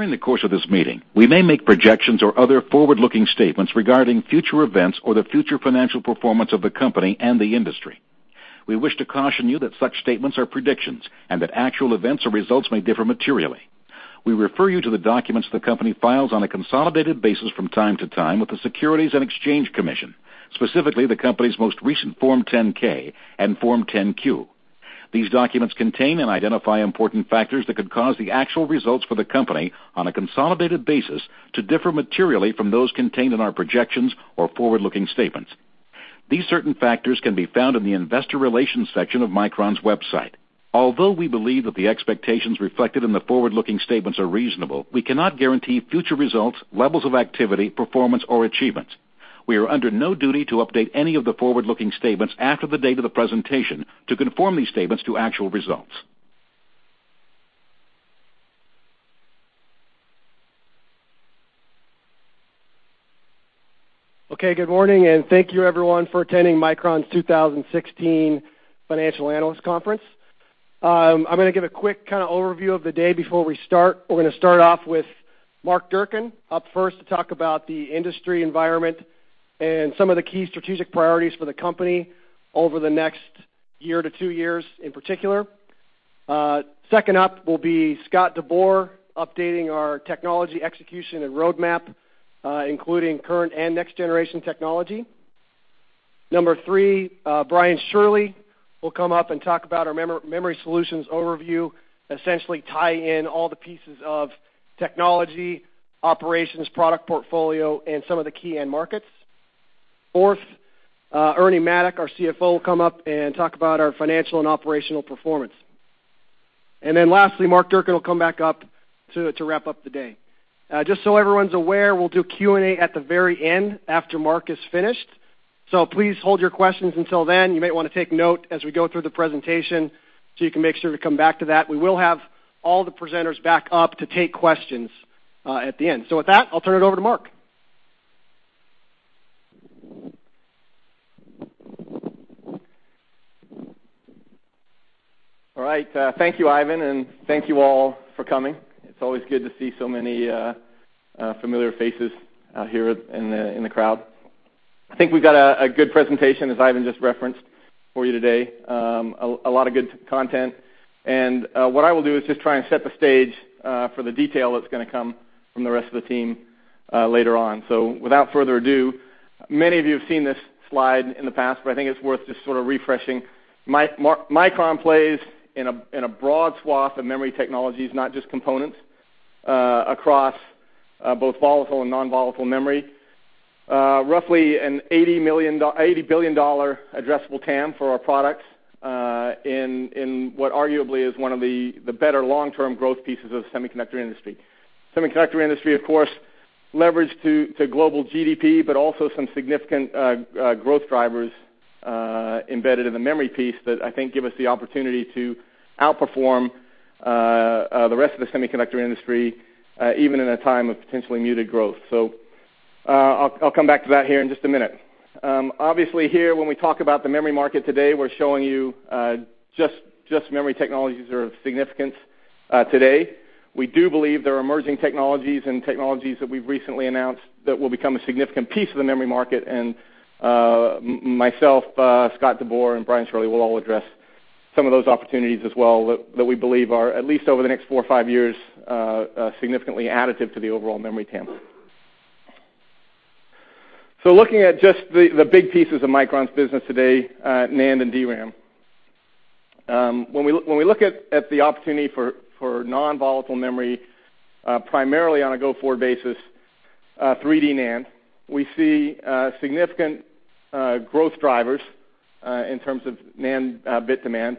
During the course of this meeting, we may make projections or other forward-looking statements regarding future events or the future financial performance of the company and the industry. We wish to caution you that such statements are predictions and that actual events or results may differ materially. We refer you to the documents the company files on a consolidated basis from time to time with the Securities and Exchange Commission, specifically the company's most recent Form 10-K and Form 10-Q. These documents contain and identify important factors that could cause the actual results for the company on a consolidated basis to differ materially from those contained in our projections or forward-looking statements. These certain factors can be found in the investor relations section of Micron's website. Although we believe that the expectations reflected in the forward-looking statements are reasonable, we cannot guarantee future results, levels of activity, performance, or achievements. We are under no duty to update any of the forward-looking statements after the date of the presentation to conform these statements to actual results. Good morning, and thank you everyone for attending Micron's 2016 Financial Analyst Conference. I'm going to give a quick kind of overview of the day before we start. We're going to start off with Mark Durcan up first to talk about the industry environment and some of the key strategic priorities for the company over the next year to two years in particular. Second up will be Scott DeBoer, updating our technology execution and roadmap, including current and next-generation technology. Number three, Brian Shirley will come up and talk about our memory solutions overview, essentially tie in all the pieces of technology, operations, product portfolio, and some of the key end markets. Fourth, Ernie Maddock, our CFO, will come up and talk about our financial and operational performance. Lastly, Mark Durcan will come back up to wrap up the day. Just so everyone's aware, we'll do Q&A at the very end after Mark is finished. Please hold your questions until then. You might want to take note as we go through the presentation, you can make sure to come back to that. We will have all the presenters back up to take questions at the end. With that, I'll turn it over to Mark. All right. Thank you, Ivan, and thank you all for coming. It's always good to see so many familiar faces out here in the crowd. I think we've got a good presentation, as Ivan just referenced, for you today. A lot of good content. What I will do is just try and set the stage for the detail that's going to come from the rest of the team later on. Without further ado, many of you have seen this slide in the past, but I think it's worth just sort of refreshing. Micron plays in a broad swath of memory technologies, not just components, across both volatile and non-volatile memory. Roughly an $80 billion addressable TAM for our products, in what arguably is one of the better long-term growth pieces of the semiconductor industry. Semiconductor industry, of course, leveraged to global GDP, but also some significant growth drivers embedded in the memory piece that I think give us the opportunity to outperform the rest of the semiconductor industry, even in a time of potentially muted growth. I'll come back to that here in just a minute. Obviously, here when we talk about the memory market today, we're showing you just memory technologies that are of significance today. We do believe there are emerging technologies and technologies that we've recently announced that will become a significant piece of the memory market, and myself, Scott DeBoer, and Brian Shirley will all address some of those opportunities as well that we believe are, at least over the next four or five years, significantly additive to the overall memory TAM. Looking at just the big pieces of Micron's business today, NAND and DRAM. When we look at the opportunity for non-volatile memory, primarily on a go-forward basis, 3D NAND, we see significant growth drivers in terms of NAND bit demand.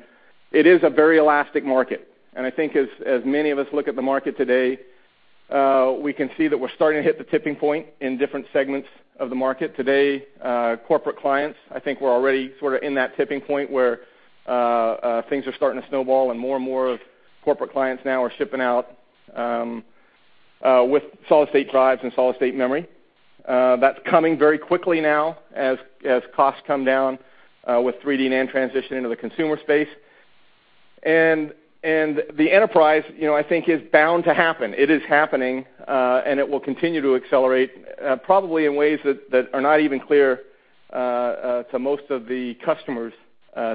It is a very elastic market, and I think as many of us look at the market today, we can see that we're starting to hit the tipping point in different segments of the market. Today, corporate clients, I think we're already sort of in that tipping point where things are starting to snowball and more and more of corporate clients now are shipping out with solid-state drives and solid-state memory. That's coming very quickly now as costs come down with 3D NAND transition into the consumer space. The enterprise, I think, is bound to happen. It is happening, and it will continue to accelerate, probably in ways that are not even clear to most of the customers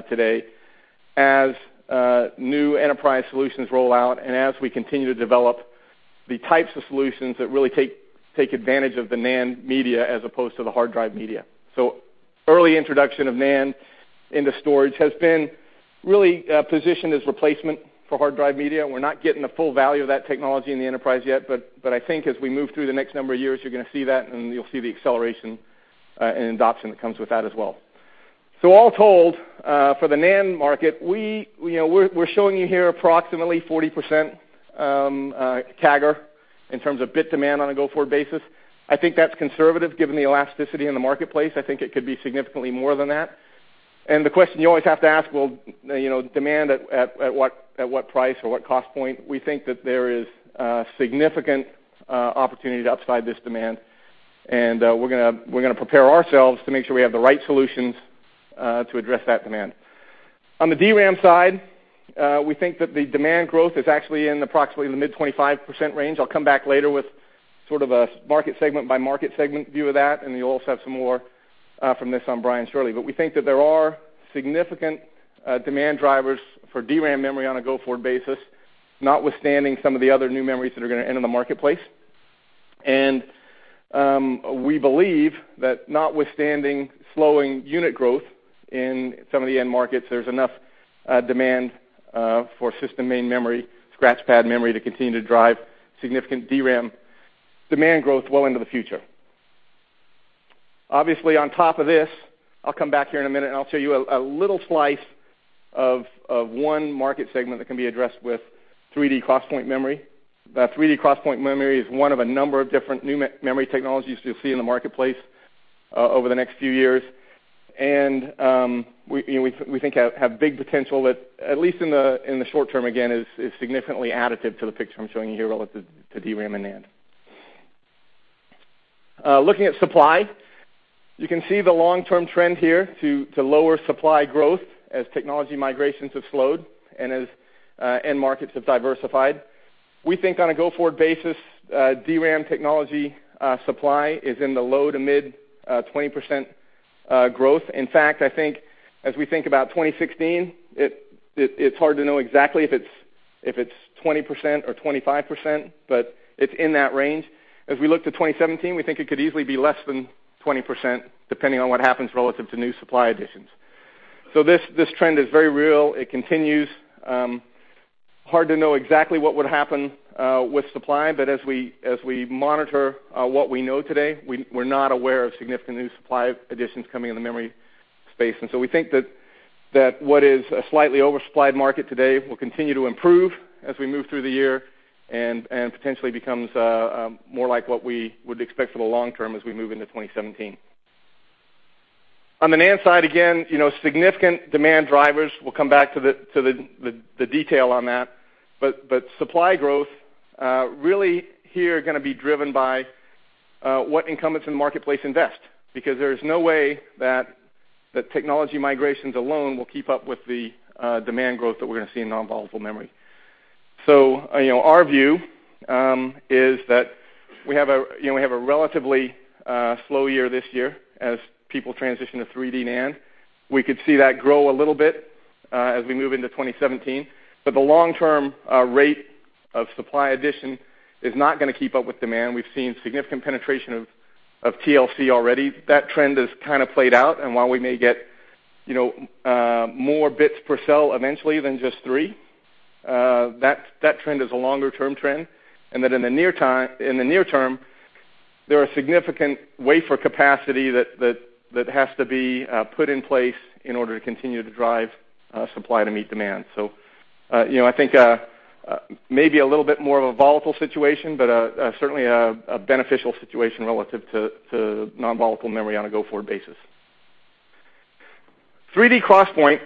today as new enterprise solutions roll out and as we continue to develop the types of solutions that really take advantage of the NAND media as opposed to the hard drive media. Early introduction of NAND into storage has been really positioned as replacement for hard drive media. We're not getting the full value of that technology in the enterprise yet, but I think as we move through the next number of years, you're going to see that, and you'll see the acceleration and adoption that comes with that as well. All told, for the NAND market, we're showing you here approximately 40% CAGR in terms of bit demand on a go-forward basis. I think that's conservative given the elasticity in the marketplace. I think it could be significantly more than that. The question you always have to ask, well, demand at what price or what cost point? We think that there is significant opportunity to upside this demand, and we're going to prepare ourselves to make sure we have the right solutions to address that demand. On the DRAM side, we think that the demand growth is actually in approximately the mid-25% range. I'll come back later with sort of a market segment by market segment view of that, and you'll also have some more from this on Brian Shirley. We think that there are significant demand drivers for DRAM memory on a go-forward basis, notwithstanding some of the other new memories that are going to enter the marketplace. We believe that notwithstanding slowing unit growth in some of the end markets, there's enough demand for system main memory, scratchpad memory to continue to drive significant DRAM demand growth well into the future. Obviously, on top of this, I'll come back here in a minute and I'll show you a little slice of one market segment that can be addressed with 3D XPoint memory. That 3D XPoint memory is one of a number of different new memory technologies you'll see in the marketplace over the next few years. We think have big potential that at least in the short term, again, is significantly additive to the picture I'm showing you here relative to DRAM and NAND. Looking at supply, you can see the long-term trend here to lower supply growth as technology migrations have slowed and as end markets have diversified. We think on a go-forward basis, DRAM technology supply is in the low to mid-20% growth. In fact, I think as we think about 2016, it's hard to know exactly if it's 20% or 25%, but it's in that range. As we look to 2017, we think it could easily be less than 20%, depending on what happens relative to new supply additions. This trend is very real. It continues. Hard to know exactly what would happen with supply, but as we monitor what we know today, we're not aware of significant new supply additions coming in the memory space. We think that what is a slightly oversupplied market today will continue to improve as we move through the year and potentially becomes more like what we would expect for the long term as we move into 2017. On the NAND side, again, significant demand drivers. We'll come back to the detail on that. Supply growth really here are going to be driven by what incumbents in the marketplace invest, because there is no way that technology migrations alone will keep up with the demand growth that we're going to see in non-volatile memory. Our view is that we have a relatively slow year this year as people transition to 3D NAND. We could see that grow a little bit as we move into 2017. The long-term rate of supply addition is not going to keep up with demand. We've seen significant penetration of TLC already. That trend has kind of played out, and while we may get more bits per cell eventually than just three, that trend is a longer-term trend. In the near term, there are significant wafer capacity that has to be put in place in order to continue to drive supply to meet demand. I think maybe a little bit more of a volatile situation, but certainly a beneficial situation relative to non-volatile memory on a go-forward basis. 3D XPoint.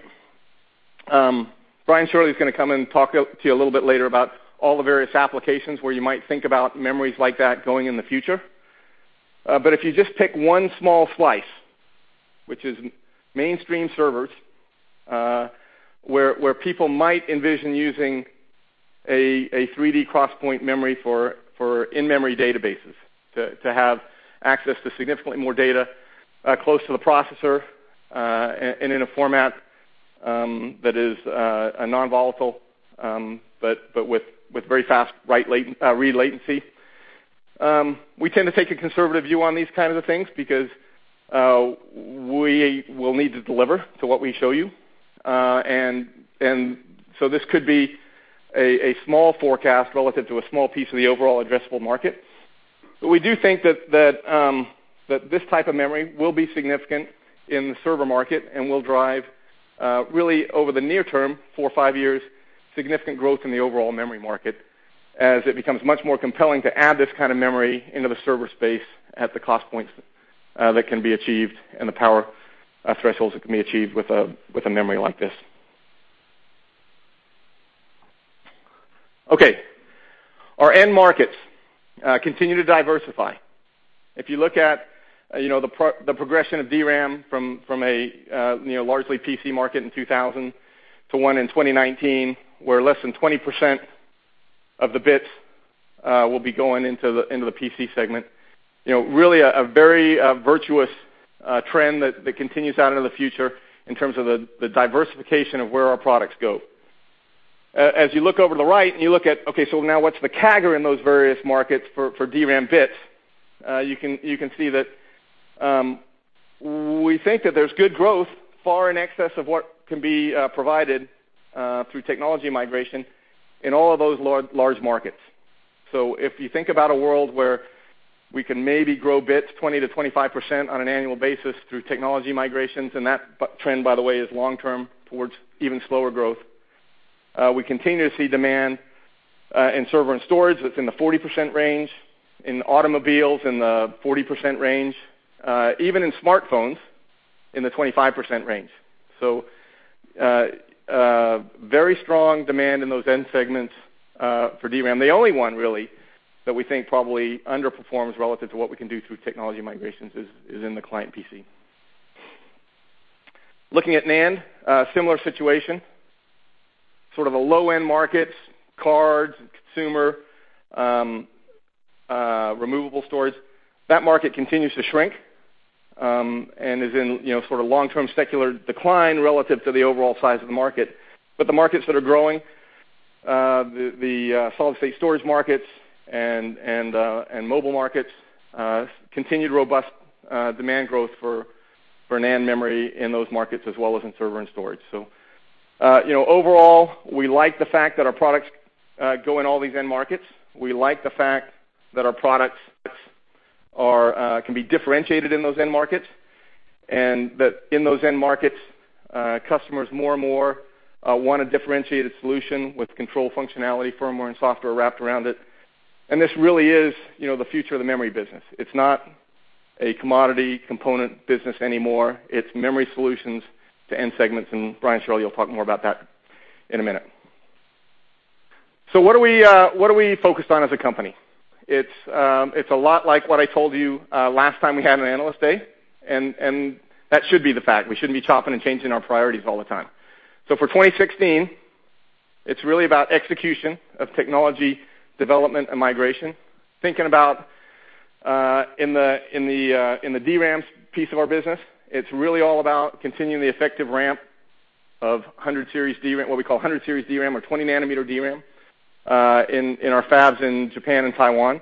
Brian Shirley's going to come and talk to you a little bit later about all the various applications where you might think about memories like that going in the future. If you just pick one small slice, which is mainstream servers, where people might envision using a 3D XPoint memory for in-memory databases to have access to significantly more data close to the processor, and in a format that is a non-volatile, but with very fast read latency. We tend to take a conservative view on these kinds of things because we will need to deliver to what we show you. This could be a small forecast relative to a small piece of the overall addressable market. We do think that this type of memory will be significant in the server market and will drive really over the near term, four or five years, significant growth in the overall memory market as it becomes much more compelling to add this kind of memory into the server space at the cost points that can be achieved and the power thresholds that can be achieved with a memory like this. Okay. Our end markets continue to diversify. If you look at the progression of DRAM from a largely PC market in 2000 to one in 2019, where less than 20% of the bits will be going into the PC segment. Really a very virtuous trend that continues out into the future in terms of the diversification of where our products go. As you look over to the right and you look at, okay, what's the CAGR in those various markets for DRAM bits? You can see that we think that there's good growth far in excess of what can be provided through technology migration in all of those large markets. If you think about a world where we can maybe grow bits 20%-25% on an annual basis through technology migrations, that trend, by the way, is long-term towards even slower growth. We continue to see demand in server and storage that's in the 40% range, in automobiles in the 40% range, even in smartphones in the 25% range. Very strong demand in those end segments for DRAM. The only one really that we think probably underperforms relative to what we can do through technology migrations is in the client PC. Looking at NAND, similar situation, sort of the low-end markets, cards, consumer, removable storage. That market continues to shrink, and is in long-term secular decline relative to the overall size of the market. The markets that are growing, the solid state storage markets and mobile markets, continued robust demand growth for NAND memory in those markets, as well as in server and storage. Overall, we like the fact that our products go in all these end markets. We like the fact that our products can be differentiated in those end markets, and that in those end markets, customers more and more want a differentiated solution with control functionality, firmware and software wrapped around it. This really is the future of the memory business. It's not a commodity component business anymore. It's memory solutions to end segments, Brian Shirley will talk more about that in a minute. What are we focused on as a company? It's a lot like what I told you last time we had an Analyst Day, that should be the fact. We shouldn't be chopping and changing our priorities all the time. For 2016, it's really about execution of technology development and migration. Thinking about in the DRAM piece of our business, it's really all about continuing the effective ramp of what we call 100 series DRAM or 20 nanometer DRAM in our fabs in Japan and Taiwan.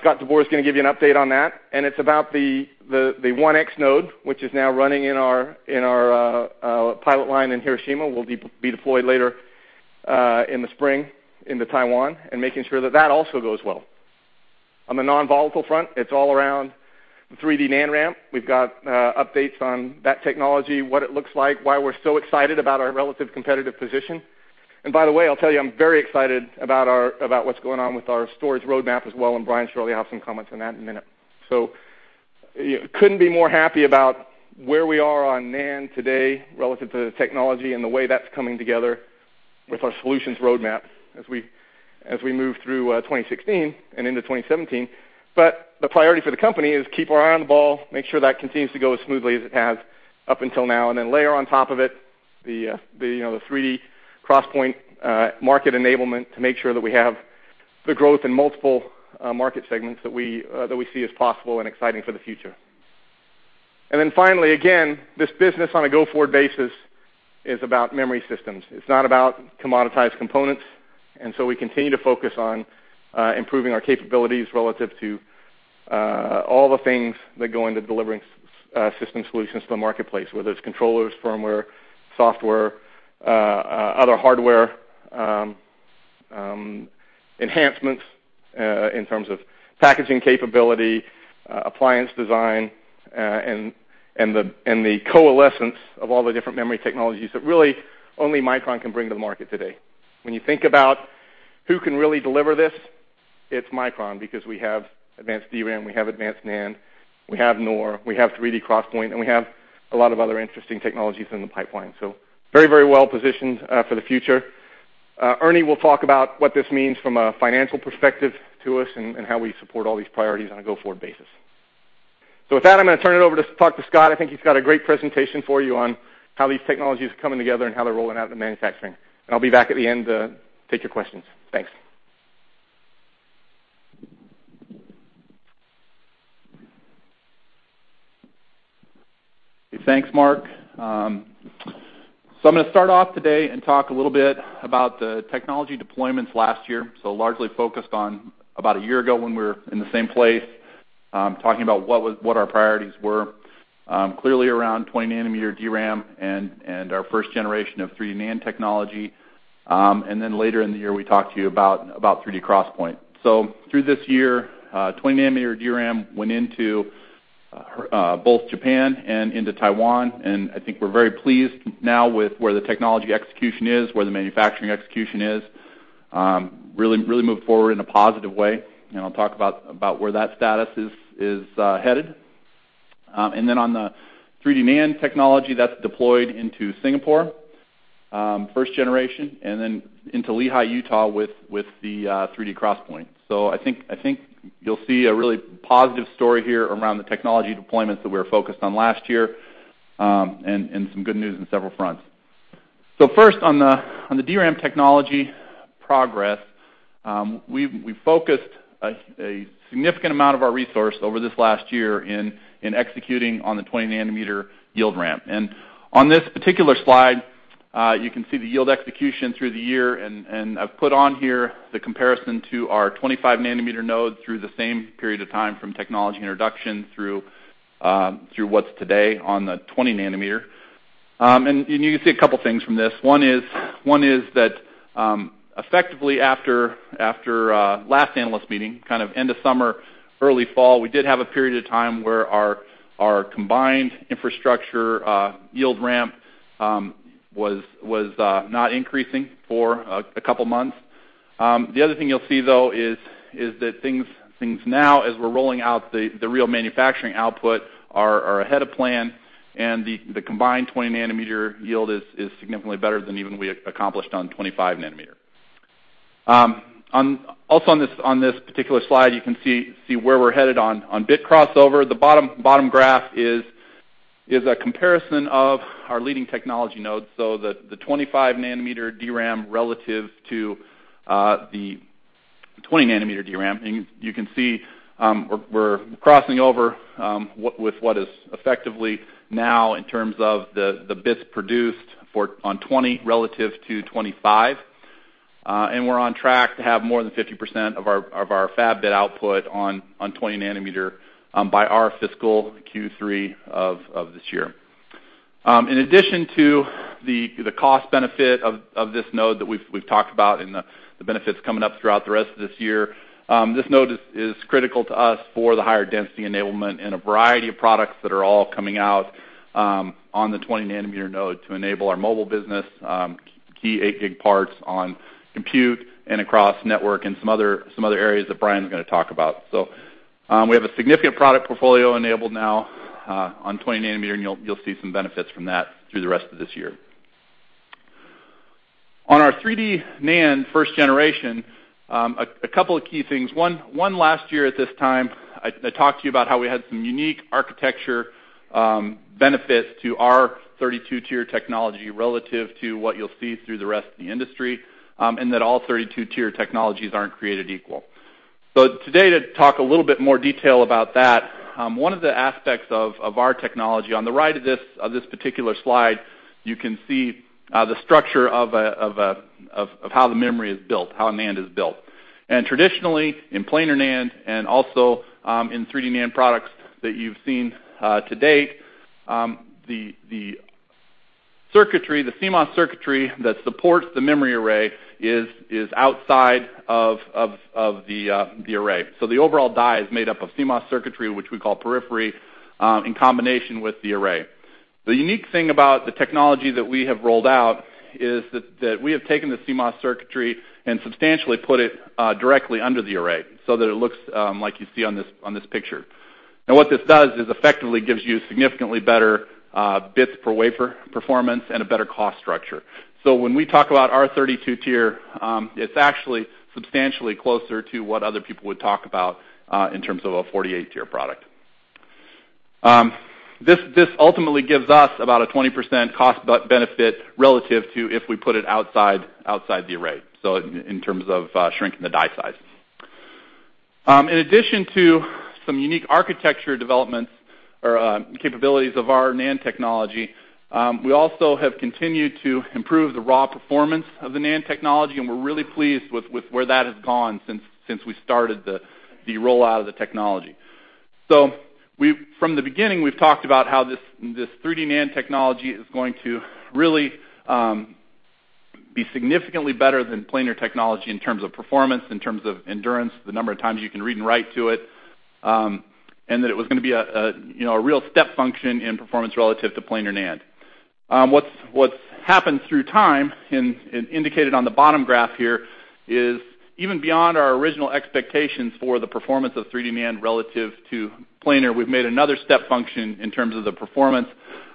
Scott DeBoer is going to give you an update on that, and it's about the 1X node, which is now running in our pilot line in Hiroshima, will be deployed later in the spring into Taiwan, and making sure that that also goes well. On the non-volatile front, it's all around the 3D NAND ramp. We've got updates on that technology, what it looks like, why we're so excited about our relative competitive position. By the way, I'll tell you, I'm very excited about what's going on with our storage roadmap as well, Brian Shirley will have some comments on that in a minute. Couldn't be more happy about where we are on NAND today relative to the technology and the way that's coming together with our solutions roadmap as we move through 2016 and into 2017. The priority for the company is keep our eye on the ball, make sure that continues to go as smoothly as it has up until now, and then layer on top of it the 3D XPoint market enablement to make sure that we have the growth in multiple market segments that we see as possible and exciting for the future. Finally, again, this business on a go-forward basis is about memory systems. It's not about commoditized components. We continue to focus on improving our capabilities relative to all the things that go into delivering system solutions to the marketplace, whether it's controllers, firmware, software, other hardware enhancements in terms of packaging capability, appliance design, and the coalescence of all the different memory technologies that really only Micron can bring to the market today. When you think about who can really deliver this, it's Micron, because we have advanced DRAM, we have advanced NAND, we have NOR, we have 3D XPoint, and we have a lot of other interesting technologies in the pipeline. Very well-positioned for the future. Ernie will talk about what this means from a financial perspective to us and how we support all these priorities on a go-forward basis. With that, I'm going to turn it over to talk to Scott. I think he's got a great presentation for you on how these technologies are coming together and how they're rolling out in manufacturing. I'll be back at the end to take your questions. Thanks. Thanks, Mark. I'm going to start off today and talk a little bit about the technology deployments last year, so largely focused on about a year ago when we were in the same place, talking about what our priorities were. Clearly around 20 nanometer DRAM and our first generation of 3D NAND technology. Later in the year, we talked to you about 3D XPoint. Through this year, 20 nanometer DRAM went into both Japan and into Taiwan, and I think we're very pleased now with where the technology execution is, where the manufacturing execution is. Really moved forward in a positive way, and I'll talk about where that status is headed. On the 3D NAND technology, that's deployed into Singapore, first generation, and then into Lehi, Utah, with the 3D XPoint. I think you'll see a really positive story here around the technology deployments that we were focused on last year, and some good news on several fronts. First on the DRAM technology progress, we've focused a significant amount of our resource over this last year in executing on the 20 nanometer yield ramp. On this particular slide, you can see the yield execution through the year, and I've put on here the comparison to our 25 nanometer node through the same period of time from technology introduction through what's today on the 20 nanometer. You can see a couple of things from this. One is that effectively after last analyst meeting, kind of end of summer, early fall, we did have a period of time where our combined infrastructure yield ramp was not increasing for a couple of months. The other thing you'll see, though, is that things now, as we're rolling out the real manufacturing output, are ahead of plan. The combined 20 nanometer yield is significantly better than even we accomplished on 25 nanometer. Also on this particular slide, you can see where we're headed on bit crossover. The bottom graph is a comparison of our leading technology nodes. The 25 nanometer DRAM relative to the 20 nanometer DRAM. You can see we're crossing over with what is effectively now in terms of the bits produced on 20 relative to 25. We're on track to have more than 50% of our fab bit output on 20 nanometer by our fiscal Q3 of this year. In addition to the cost benefit of this node that we've talked about and the benefits coming up throughout the rest of this year, this node is critical to us for the higher density enablement in a variety of products that are all coming out on the 20 nanometer node to enable our mobile business, key eight gig parts on compute and across network and some other areas that Brian's going to talk about. We have a significant product portfolio enabled now on 20 nanometer, and you'll see some benefits from that through the rest of this year. On our 3D NAND first generation, a couple of key things. One, last year at this time, I talked to you about how we had some unique architecture benefits to our 32-tier technology relative to what you'll see through the rest of the industry, and that all 32-tier technologies aren't created equal. Today to talk a little bit more detail about that, one of the aspects of our technology, on the right of this particular slide, you can see the structure of how the memory is built, how NAND is built. Traditionally, in planar NAND and also in 3D NAND products that you've seen to date, the CMOS circuitry that supports the memory array is outside of the array. The overall die is made up of CMOS circuitry, which we call periphery, in combination with the array. The unique thing about the technology that we have rolled out is that we have taken the CMOS circuitry and substantially put it directly under the array so that it looks like you see on this picture. Now, what this does is effectively gives you significantly better bits per wafer performance and a better cost structure. When we talk about our 32-tier, it's actually substantially closer to what other people would talk about in terms of a 48-tier product. This ultimately gives us about a 20% cost benefit relative to if we put it outside the array, so in terms of shrinking the die size. In addition to some unique architecture developments or capabilities of our NAND technology, we also have continued to improve the raw performance of the NAND technology, and we're really pleased with where that has gone since we started the rollout of the technology. From the beginning, we've talked about how this 3D NAND technology is going to really be significantly better than planar technology in terms of performance, in terms of endurance, the number of times you can read and write to it, and that it was going to be a real step function in performance relative to planar NAND. What's happened through time, and indicated on the bottom graph here, is even beyond our original expectations for the performance of 3D NAND relative to planar, we've made another step function in terms of the performance.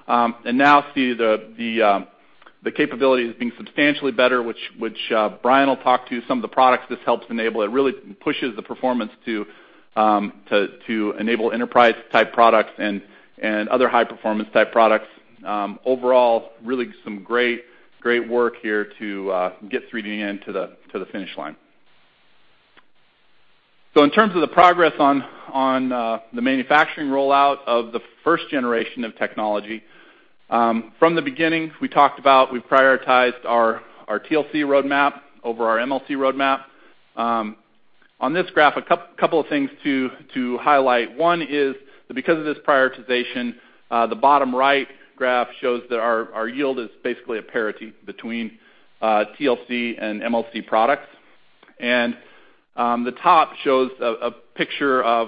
Now see the capability as being substantially better, which Brian will talk to, some of the products this helps enable. It really pushes the performance to enable enterprise-type products and other high-performance type products. Overall, really some great work here to get 3D NAND to the finish line. In terms of the progress on the manufacturing rollout of the first generation of technology, from the beginning, we talked about we've prioritized our TLC roadmap over our MLC roadmap. On this graph, a couple of things to highlight. One is that because of this prioritization, the bottom right graph shows that our yield is basically a parity between TLC and MLC products. The top shows a picture of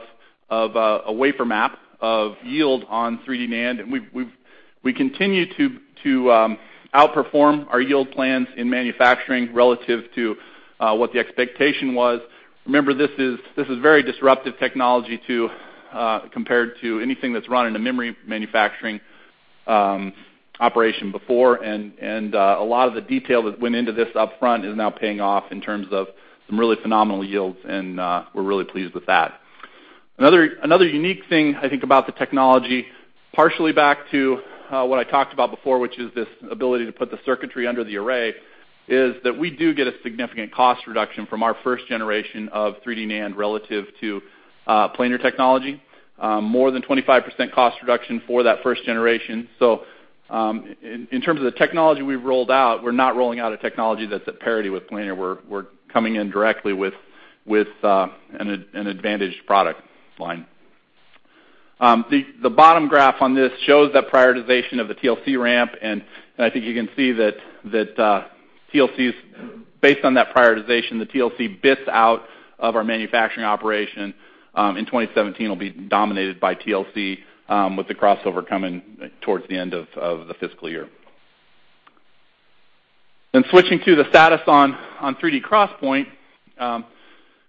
a wafer map of yield on 3D NAND, and we continue to outperform our yield plans in manufacturing relative to what the expectation was. Remember, this is very disruptive technology compared to anything that's run in a memory manufacturing operation before, and a lot of the detail that went into this upfront is now paying off in terms of some really phenomenal yields, and we're really pleased with that. Another unique thing I think about the technology, partially back to what I talked about before, which is this ability to put the circuitry under the array, is that we do get a significant cost reduction from our first generation of 3D NAND relative to planar technology, more than 25% cost reduction for that first generation. In terms of the technology we've rolled out, we're not rolling out a technology that's at parity with planar. We're coming in directly with an advantaged product line. The bottom graph on this shows that prioritization of the TLC ramp, and I think you can see that based on that prioritization, the TLC bits out of our manufacturing operation in 2017 will be dominated by TLC, with the crossover coming towards the end of the fiscal year. Switching to the status on 3D XPoint.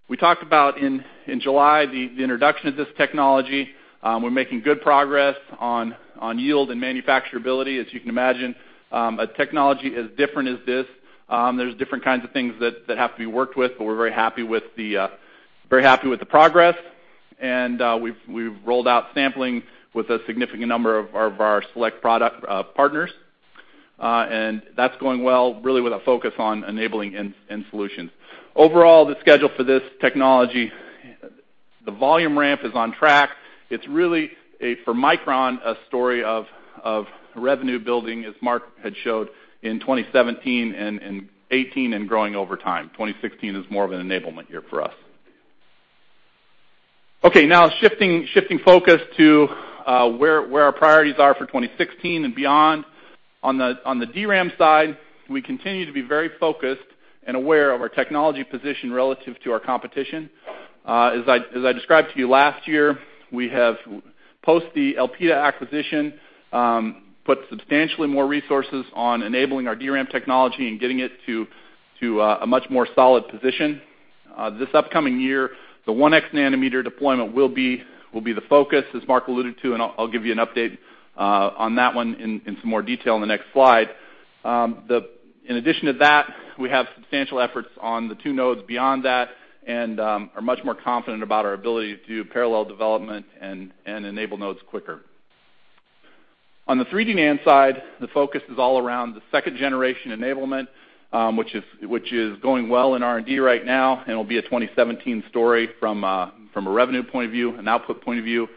We talked about, in July, the introduction of this technology. We're making good progress on yield and manufacturability. As you can imagine, a technology as different as this, there's different kinds of things that have to be worked with. We're very happy with the progress, and we've rolled out sampling with a significant number of our select product partners. That's going well, really with a focus on enabling end solutions. Overall, the schedule for this technology, the volume ramp is on track. It's really, for Micron, a story of revenue building, as Mark had showed, in 2017 and 2018, and growing over time. 2016 is more of an enablement year for us. Okay. Shifting focus to where our priorities are for 2016 and beyond. On the DRAM side, we continue to be very focused and aware of our technology position relative to our competition. As I described to you last year, we have, post the Elpida acquisition, put substantially more resources on enabling our DRAM technology and getting it to a much more solid position. This upcoming year, the 1X nanometer deployment will be the focus, as Mark alluded to, I'll give you an update on that one in some more detail in the next slide. In addition to that, we have substantial efforts on the two nodes beyond that, and are much more confident about our ability to do parallel development and enable nodes quicker. On the 3D NAND side, the focus is all around the second generation enablement, which is going well in R&D right now, it'll be a 2017 story from a revenue point of view, an output point of view.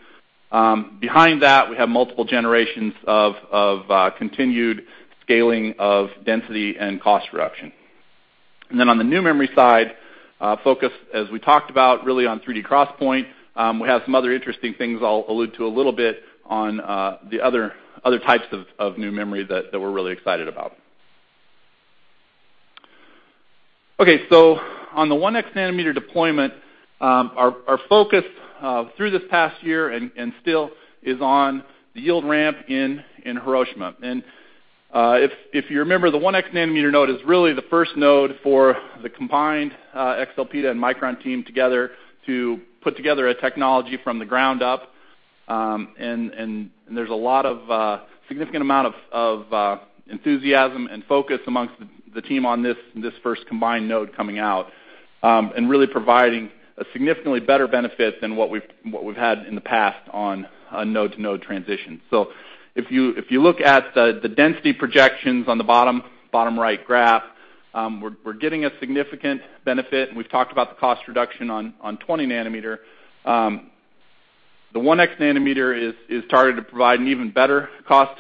Behind that, we have multiple generations of continued scaling of density and cost reduction. On the new memory side, focus, as we talked about, really on 3D XPoint. We have some other interesting things I'll allude to a little bit on the other types of new memory that we're really excited about. On the 1X nanometer deployment, our focus through this past year and still is on the yield ramp in Hiroshima. If you remember, the 1X nanometer node is really the first node for the combined Elpida and Micron team together to put together a technology from the ground up. There's a significant amount of enthusiasm and focus amongst the team on this first combined node coming out, and really providing a significantly better benefit than what we've had in the past on a node-to-node transition. If you look at the density projections on the bottom right graph, we're getting a significant benefit, and we've talked about the cost reduction on 20 nanometer. The 1X nanometer is targeted to provide an even better cost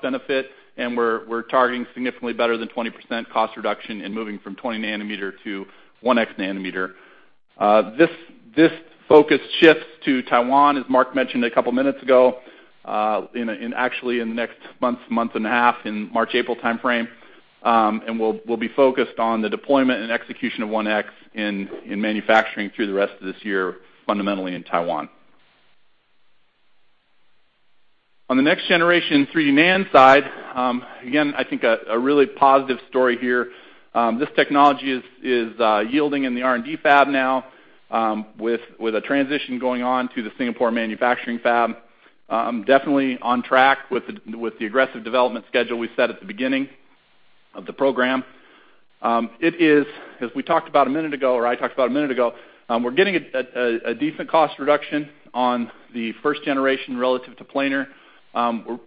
benefit, and we're targeting significantly better than 20% cost reduction in moving from 20 nanometer to 1X nanometer. This focus shifts to Taiwan, as Mark mentioned a couple of minutes ago, actually in the next month and a half, in March-April timeframe. We'll be focused on the deployment and execution of 1X in manufacturing through the rest of this year, fundamentally in Taiwan. On the next generation 3D NAND side, again, I think a really positive story here. This technology is yielding in the R&D fab now, with a transition going on to the Singapore manufacturing fab. Definitely on track with the aggressive development schedule we set at the beginning of the program. As we talked about a minute ago, or I talked about a minute ago, we're getting a decent cost reduction on the first generation relative to planar.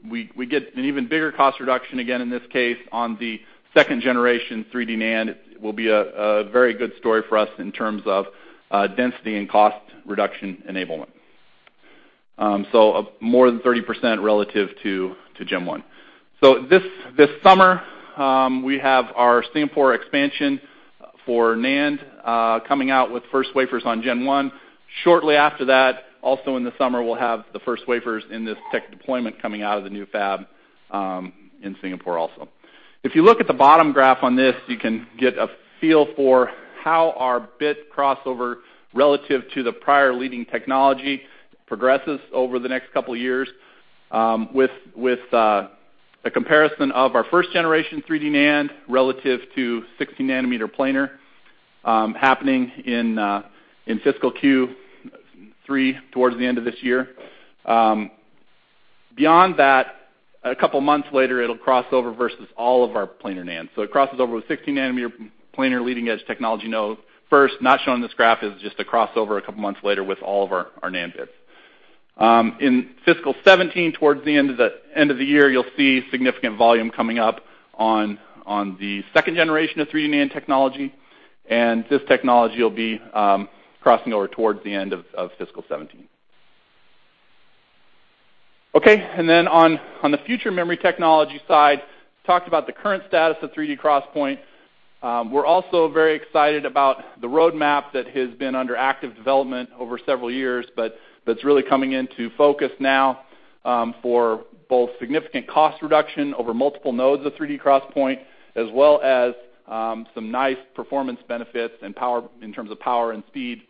We get an even bigger cost reduction, again, in this case, on the second generation 3D NAND. It will be a very good story for us in terms of density and cost reduction enablement. More than 30% relative to gen 1. This summer, we have our Singapore expansion for NAND coming out with first wafers on gen 1. Shortly after that, also in the summer, we'll have the first wafers in this tech deployment coming out of the new fab in Singapore also. If you look at the bottom graph on this, you can get a feel for how our bit crossover relative to the prior leading technology progresses over the next couple of years, with the comparison of our first generation 3D NAND relative to 16 nanometer planar happening in fiscal Q3 towards the end of this year. Beyond that, a couple of months later, it'll cross over versus all of our planar NAND. It crosses over with 16 nanometer planar leading-edge technology node first. Not shown in this graph is just a crossover a couple of months later with all of our NAND bits. In fiscal 2017, towards the end of the year, you'll see significant volume coming up on the second generation of 3D NAND technology, this technology will be crossing over towards the end of fiscal 2017. Okay. On the future memory technology side, we talked about the current status of 3D XPoint. We're also very excited about the roadmap that has been under active development over several years, but that's really coming into focus now for both significant cost reduction over multiple nodes of 3D XPoint, as well as some nice performance benefits in terms of power and speed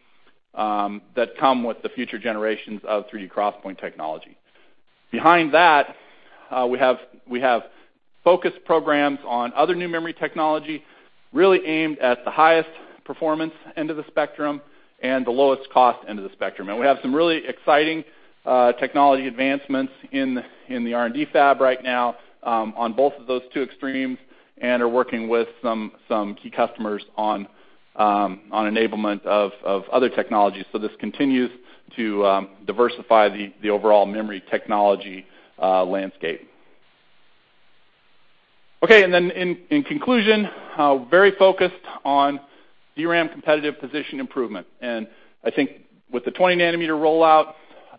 that come with the future generations of 3D XPoint technology. Behind that, we have focused programs on other new memory technology, really aimed at the highest performance end of the spectrum and the lowest cost end of the spectrum. We have some really exciting technology advancements in the R&D fab right now on both of those two extremes, and are working with some key customers on enablement of other technologies. This continues to diversify the overall memory technology landscape. In conclusion, very focused on DRAM competitive position improvement. I think with the 20 nanometer rollout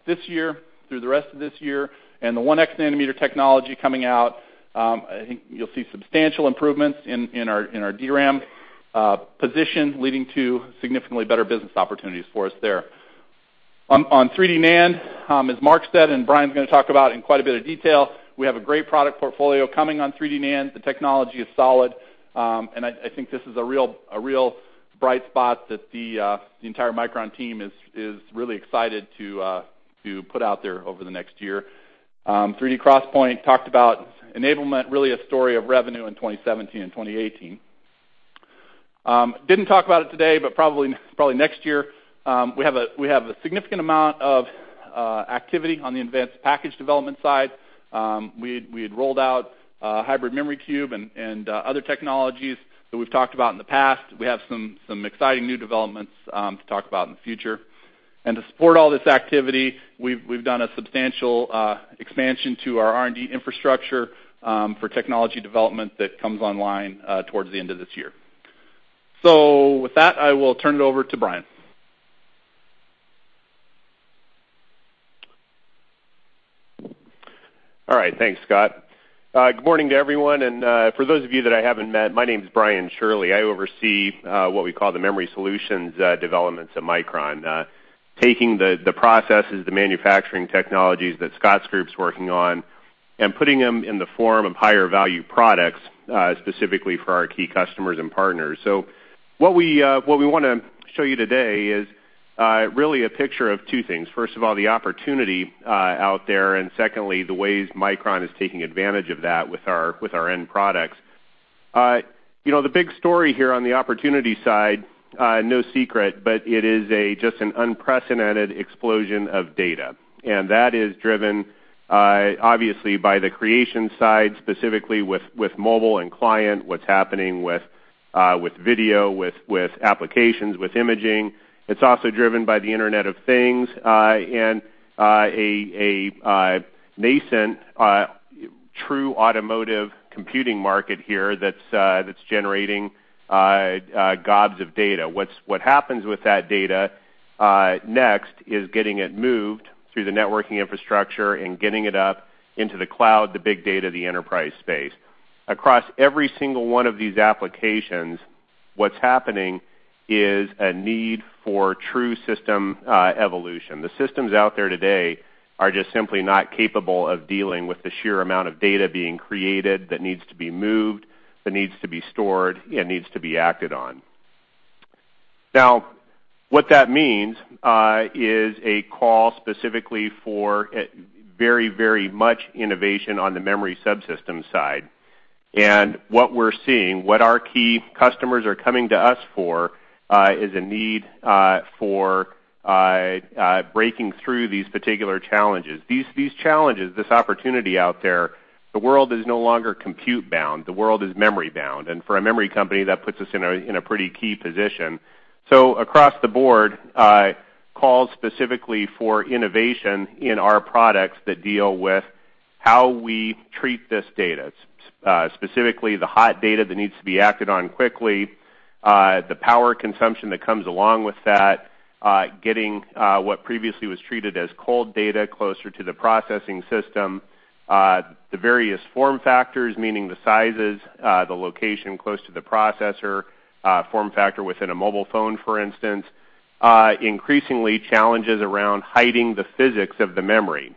this year, through the rest of this year, and the 1X nanometer technology coming out, I think you'll see substantial improvements in our DRAM position, leading to significantly better business opportunities for us there. On 3D NAND, as Mark said, Brian's going to talk about in quite a bit of detail, we have a great product portfolio coming on 3D NAND. The technology is solid. I think this is a real bright spot that the entire Micron team is really excited to put out there over the next year. 3D XPoint, talked about enablement, really a story of revenue in 2017 and 2018. Didn't talk about it today, probably next year, we have a significant amount of activity on the advanced package development side. We had rolled out Hybrid Memory Cube and other technologies that we've talked about in the past. We have some exciting new developments to talk about in the future. To support all this activity, we've done a substantial expansion to our R&D infrastructure for technology development that comes online towards the end of this year. With that, I will turn it over to Brian. All right. Thanks, Scott. Good morning to everyone. For those of you that I haven't met, my name's Brian Shirley. I oversee what we call the memory solutions developments at Micron, taking the processes, the manufacturing technologies that Scott's group's working on, and putting them in the form of higher value products, specifically for our key customers and partners. What we want to show you today is really a picture of two things. First of all, the opportunity out there, secondly, the ways Micron is taking advantage of that with our end products. The big story here on the opportunity side, no secret, but it is just an unprecedented explosion of data. That is driven, obviously, by the creation side, specifically with mobile and client, what's happening with video, with applications, with imaging. It's also driven by the Internet of Things, a nascent true automotive computing market here that's generating gobs of data. What happens with that data next is getting it moved through the networking infrastructure and getting it up into the cloud, the big data, the enterprise space. Across every single one of these applications, what's happening is a need for true system evolution. The systems out there today are just simply not capable of dealing with the sheer amount of data being created that needs to be moved, that needs to be stored, and needs to be acted on. What that means is a call specifically for very much innovation on the memory subsystem side. What we're seeing, what our key customers are coming to us for, is a need for breaking through these particular challenges. These challenges, this opportunity out there, the world is no longer compute bound. The world is memory bound. For a memory company, that puts us in a pretty key position. Across the board, calls specifically for innovation in our products that deal with how we treat this data, specifically the hot data that needs to be acted on quickly, the power consumption that comes along with that, getting what previously was treated as cold data closer to the processing system, the various form factors, meaning the sizes, the location close to the processor, form factor within a mobile phone, for instance. Increasingly, challenges around hiding the physics of the memory,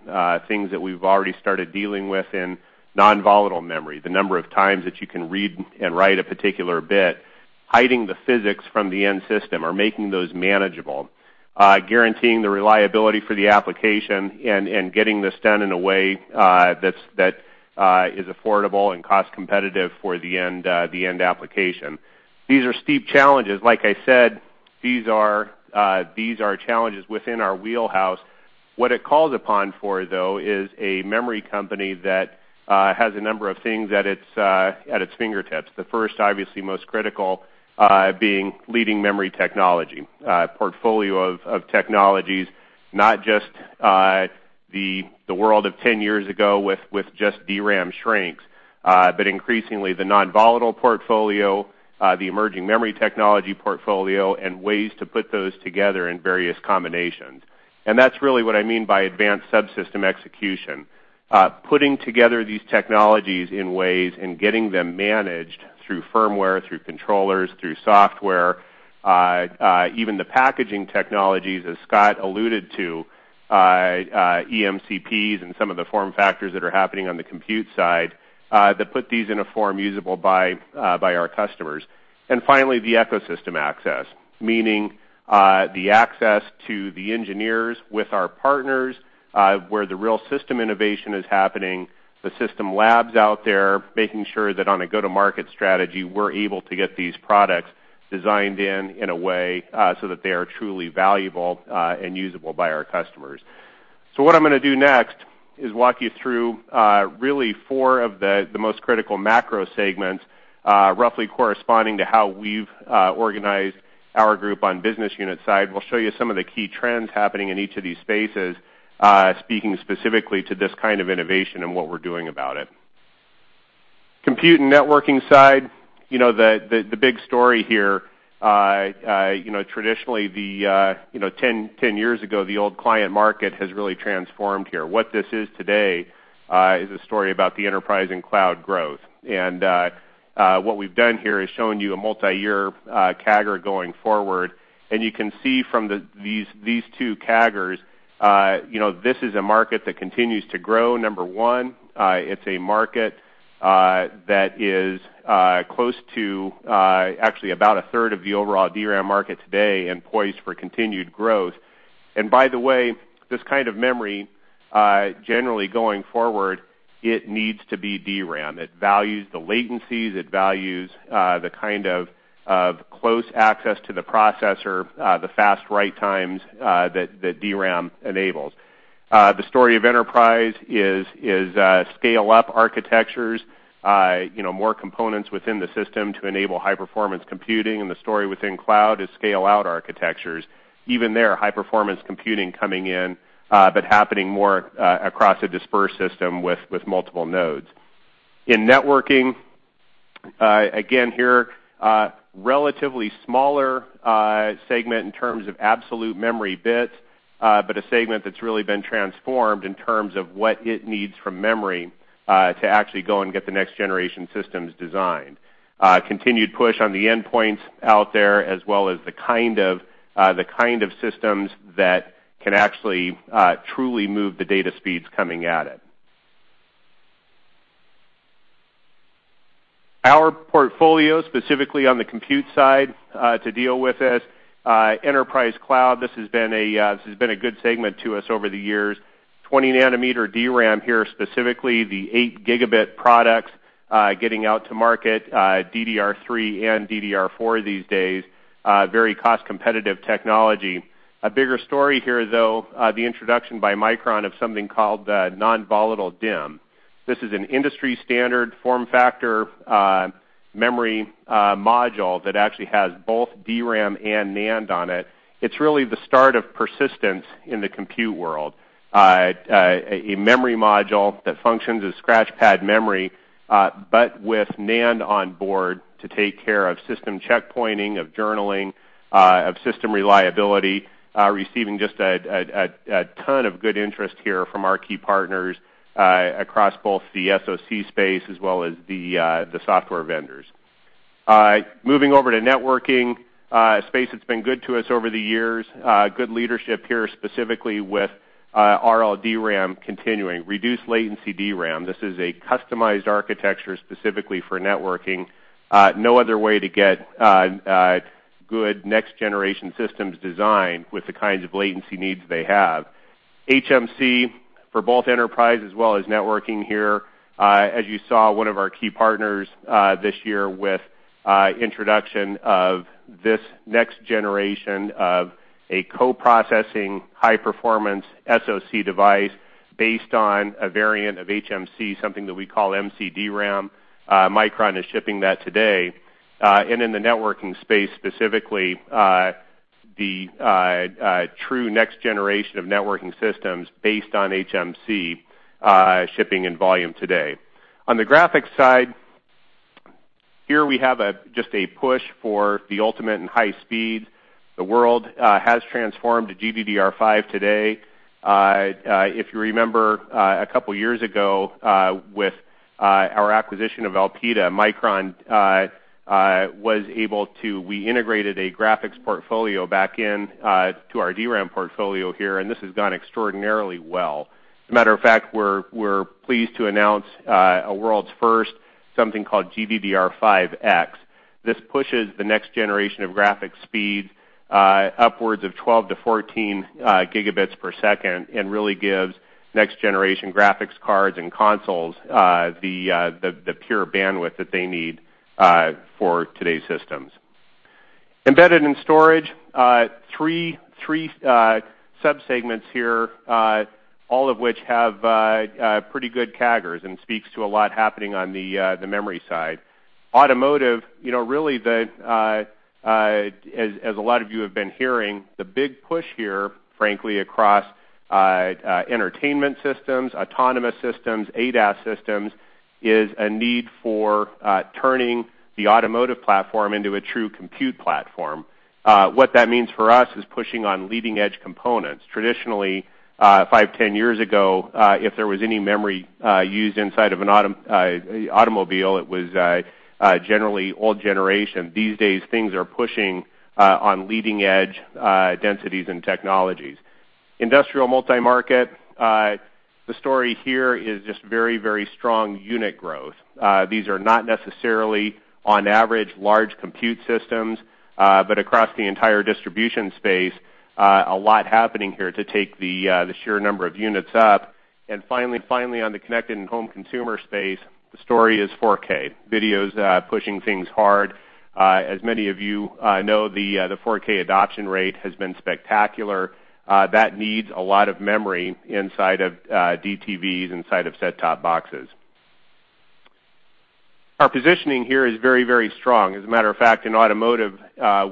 things that we've already started dealing with in non-volatile memory, the number of times that you can read and write a particular bit, hiding the physics from the end system or making those manageable, guaranteeing the reliability for the application and getting this done in a way that is affordable and cost competitive for the end application. These are steep challenges. Like I said, these are challenges within our wheelhouse. What it calls upon for, though, is a memory company that has a number of things at its fingertips. The first, obviously most critical, being leading memory technology, a portfolio of technologies, not just the world of 10 years ago with just DRAM shrinks, but increasingly the non-volatile portfolio, the emerging memory technology portfolio, and ways to put those together in various combinations. That's really what I mean by advanced subsystem execution. Putting together these technologies in ways and getting them managed through firmware, through controllers, through software. Even the packaging technologies, as Scott alluded to, eMCPs and some of the form factors that are happening on the compute side, that put these in a form usable by our customers. Finally, the ecosystem access, meaning the access to the engineers with our partners, where the real system innovation is happening, the system labs out there, making sure that on a go-to-market strategy, we're able to get these products designed in a way so that they are truly valuable and usable by our customers. What I'm going to do next is walk you through really four of the most critical macro segments, roughly corresponding to how we've organized our group on business unit side. We'll show you some of the key trends happening in each of these spaces, speaking specifically to this kind of innovation and what we're doing about it. Compute and networking side, the big story here, traditionally, 10 years ago, the old client market has really transformed here. What this is today is a story about the enterprise and cloud growth. What we've done here is shown you a multi-year CAGR going forward. You can see from these two CAGRs, this is a market that continues to grow. One, it's a market that is close to actually about a third of the overall DRAM market today and poised for continued growth. By the way, this kind of memory, generally going forward, it needs to be DRAM. It values the latencies, it values the kind of close access to the processor, the fast write times that DRAM enables. The story of enterprise is scale-up architectures, more components within the system to enable high-performance computing, and the story within cloud is scale-out architectures. Even there, high-performance computing coming in, but happening more across a dispersed system with multiple nodes. In networking, again here, relatively smaller segment in terms of absolute memory bits, but a segment that's really been transformed in terms of what it needs from memory to actually go and get the next-generation systems designed. Continued push on the endpoints out there, as well as the kind of systems that can actually truly move the data speeds coming at it. Our portfolio, specifically on the compute side to deal with this, enterprise cloud, this has been a good segment to us over the years. 20-nanometer DRAM here, specifically the 8-gigabit products getting out to market, DDR3 and DDR4 these days, very cost-competitive technology. A bigger story here, though, the introduction by Micron of something called non-volatile DIMM. This is an industry-standard form factor memory module that actually has both DRAM and NAND on it. It's really the start of persistence in the compute world. A memory module that functions as scratchpad memory, but with NAND on board to take care of system checkpointing, of journaling, of system reliability, receiving just a ton of good interest here from our key partners across both the SoC space as well as the software vendors. Moving over to networking, a space that's been good to us over the years. Good leadership here, specifically with RLDRAM continuing, reduced latency DRAM. This is a customized architecture specifically for networking. No other way to get good next-generation systems designed with the kinds of latency needs they have. HMC for both enterprise as well as networking here. As you saw, one of our key partners this year with introduction of this next generation of a co-processing high-performance SoC device based on a variant of HMC, something that we call MCDRAM. Micron is shipping that today. In the networking space, specifically, the true next generation of networking systems based on HMC, shipping in volume today. On the graphics side, here we have just a push for the ultimate in high speed. The world has transformed to GDDR5 today. If you remember, a couple of years ago, with our acquisition of Elpida, we integrated a graphics portfolio back in to our DRAM portfolio here, and this has gone extraordinarily well. As a matter of fact, we're pleased to announce a world's first, something called GDDR5X. This pushes the next generation of graphics speed upwards of 12 to 14 gigabits per second and really gives next-generation graphics cards and consoles the pure bandwidth that they need for today's systems. Embedded in storage, three sub-segments here, all of which have pretty good CAGRs and speaks to a lot happening on the memory side. Automotive, really, as a lot of you have been hearing, the big push here, frankly, across entertainment systems, autonomous systems, ADAS systems, is a need for turning the automotive platform into a true compute platform. What that means for us is pushing on leading-edge components. Traditionally, five, 10 years ago, if there was any memory used inside of an automobile, it was generally old generation. These days, things are pushing on leading-edge densities and technologies. Industrial multi-market, the story here is just very, very strong unit growth. These are not necessarily, on average, large compute systems, but across the entire distribution space, a lot happening here to take the sheer number of units up. Finally, on the connected and home consumer space, the story is 4K. Video's pushing things hard. As many of you know, the 4K adoption rate has been spectacular. That needs a lot of memory inside of DTVs, inside of set-top boxes. Our positioning here is very, very strong. As a matter of fact, in automotive,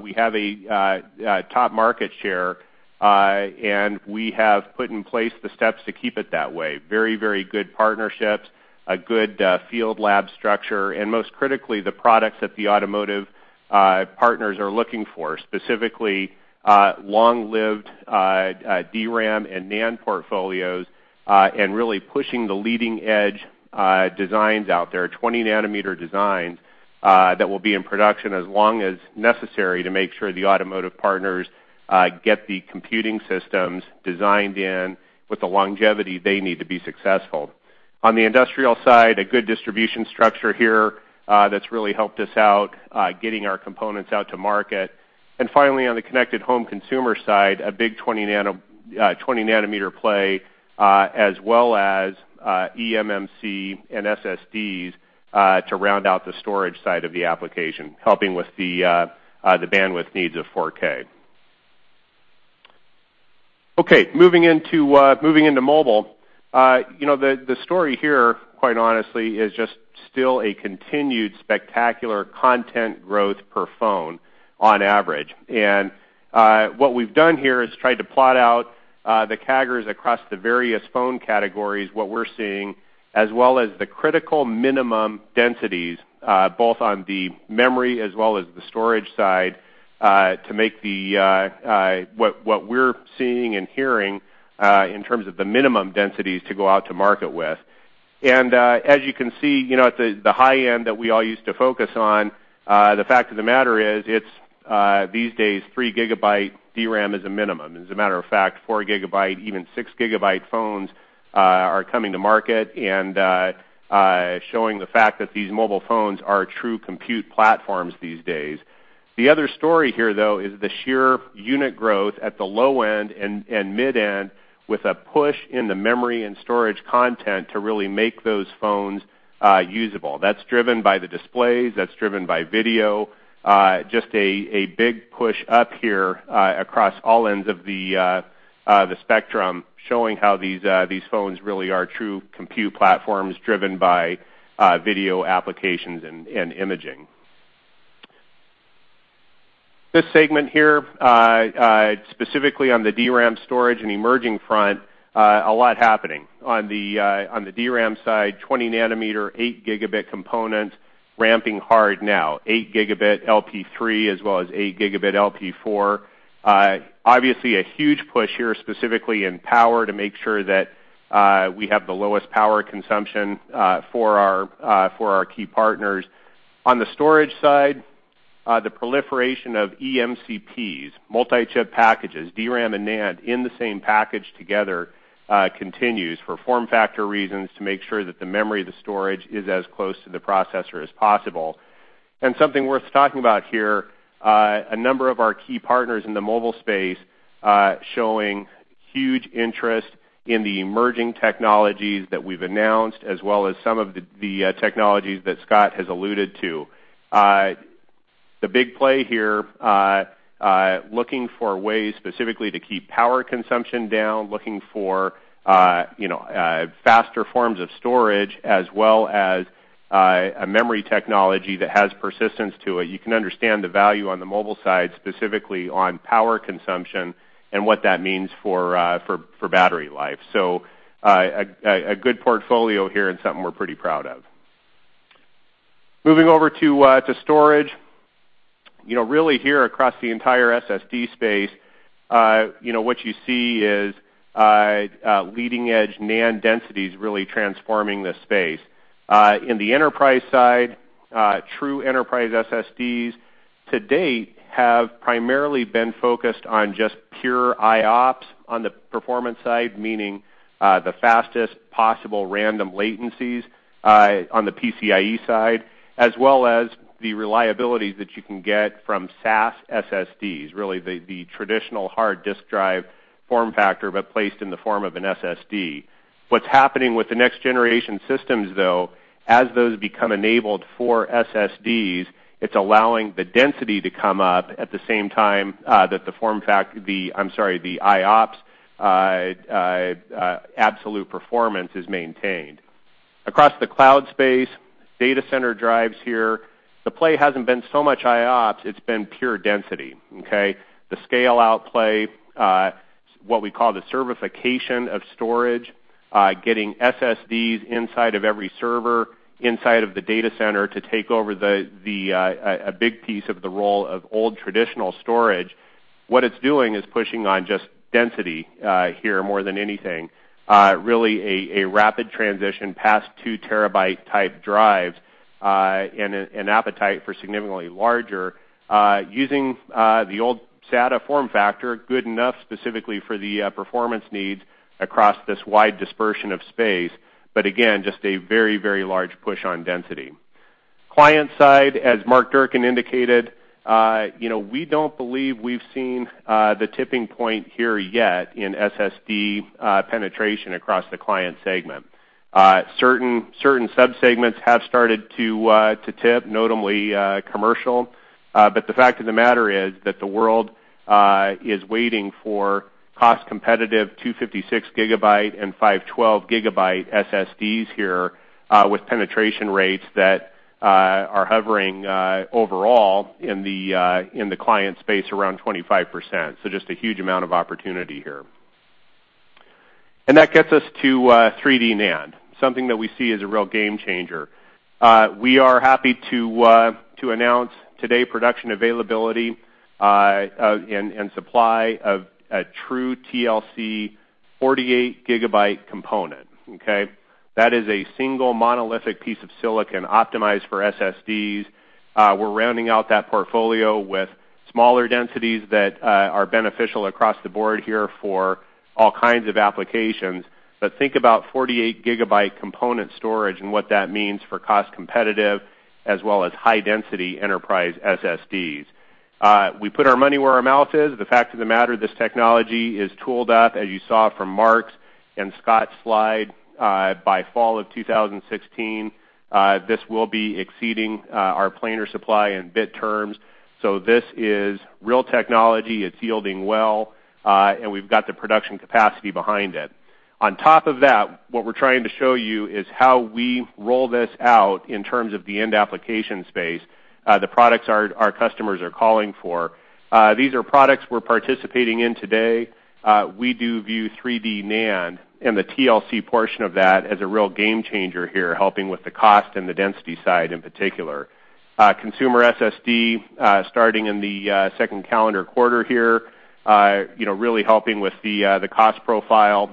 we have a top market share, and we have put in place the steps to keep it that way. Very, very good partnerships, a good field lab structure, and most critically, the products that the automotive partners are looking for, specifically long-lived DRAM and NAND portfolios, and really pushing the leading-edge designs out there, 20-nanometer designs, that will be in production as long as necessary to make sure the automotive partners get the computing systems designed in with the longevity they need to be successful. On the industrial side, a good distribution structure here that's really helped us out, getting our components out to market. Finally, on the connected home consumer side, a big 20-nanometer play, as well as eMMC and SSDs to round out the storage side of the application, helping with the bandwidth needs of 4K. Okay, moving into mobile. The story here, quite honestly, is just still a continued spectacular content growth per phone on average. What we've done here is tried to plot out the CAGRs across the various phone categories, what we're seeing, as well as the critical minimum densities, both on the memory as well as the storage side, to make what we're seeing and hearing in terms of the minimum densities to go out to market with. As you can see, at the high end that we all used to focus on, the fact of the matter is, these days, three gigabyte DRAM is a minimum. As a matter of fact, four gigabyte, even six gigabyte phones are coming to market and showing the fact that these mobile phones are true compute platforms these days. The other story here, though, is the sheer unit growth at the low end and mid end with a push in the memory and storage content to really make those phones usable. That's driven by the displays, that's driven by video. A big push up here across all ends of the spectrum, showing how these phones really are true compute platforms driven by video applications and imaging. This segment here, specifically on the DRAM storage and emerging front, a lot happening. On the DRAM side, 20 nanometer, 8 gigabit components ramping hard now. 8 gigabit LP3 as well as 8 gigabit LP4. Obviously, a huge push here, specifically in power, to make sure that we have the lowest power consumption for our key partners. On the storage side, the proliferation of eMCPs, multi-chip packages, DRAM and NAND in the same package together, continues for form factor reasons to make sure that the memory of the storage is as close to the processor as possible. Something worth talking about here, a number of our key partners in the mobile space showing huge interest in the emerging technologies that we've announced, as well as some of the technologies that Scott has alluded to. The big play here, looking for ways specifically to keep power consumption down, looking for faster forms of storage, as well as a memory technology that has persistence to it. You can understand the value on the mobile side, specifically on power consumption and what that means for battery life. A good portfolio here and something we're pretty proud of. Moving over to storage. Really here, across the entire SSD space, what you see is leading-edge NAND densities really transforming the space. In the enterprise side, true enterprise SSDs to date have primarily been focused on just pure IOPS on the performance side, meaning the fastest possible random latencies on the PCIe side, as well as the reliability that you can get from SAS SSDs, really the traditional hard disk drive form factor, but placed in the form of an SSD. What's happening with the next generation systems, though, as those become enabled for SSDs, it's allowing the density to come up at the same time that the IOPS absolute performance is maintained. Across the cloud space, data center drives here, the play hasn't been so much IOPS, it's been pure density, okay? The scale-out play, what we call the servification of storage, getting SSDs inside of every server, inside of the data center to take over a big piece of the role of old traditional storage. What it's doing is pushing on just density here more than anything. Really a rapid transition past 2 terabyte type drives. An appetite for significantly larger, using the old SATA form factor, good enough specifically for the performance needs across this wide dispersion of space. Again, just a very, very large push on density. Client side, as Mark Durcan indicated, we don't believe we've seen the tipping point here yet in SSD penetration across the client segment. Certain sub-segments have started to tip, notably commercial. The fact of the matter is that the world is waiting for cost-competitive 256 gigabyte and 512 gigabyte SSDs here, with penetration rates that are hovering, overall, in the client space around 25%. Just a huge amount of opportunity here. That gets us to 3D NAND, something that we see as a real game changer. We are happy to announce today production availability and supply of a true TLC 48 gigabyte component, okay? That is a single monolithic piece of silicon optimized for SSDs. We're rounding out that portfolio with smaller densities that are beneficial across the board here for all kinds of applications. Think about 48 gigabyte component storage and what that means for cost competitive as well as high-density enterprise SSDs. We put our money where our mouth is. The fact of the matter, this technology is tooled up, as you saw from Mark's and Scott's slide, by fall of 2016. This will be exceeding our planar supply in bit terms. This is real technology. It's yielding well. We've got the production capacity behind it. On top of that, what we're trying to show you is how we roll this out in terms of the end application space, the products our customers are calling for. These are products we're participating in today. We do view 3D NAND and the TLC portion of that as a real game changer here, helping with the cost and the density side in particular. Consumer SSD, starting in the second calendar quarter here, really helping with the cost profile,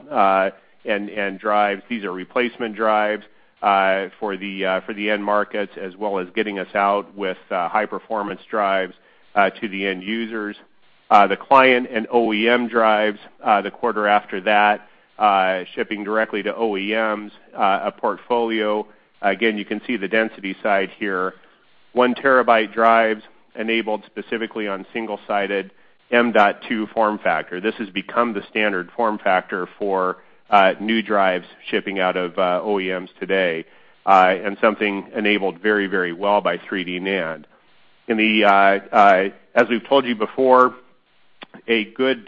and drives. These are replacement drives for the end markets, as well as getting us out with high-performance drives to the end users. The client and OEM drives, the quarter after that, shipping directly to OEMs. A portfolio, again, you can see the density side here. One terabyte drives enabled specifically on single-sided M.2 form factor. This has become the standard form factor for new drives shipping out of OEMs today, and something enabled very, very well by 3D NAND. As we've told you before, a good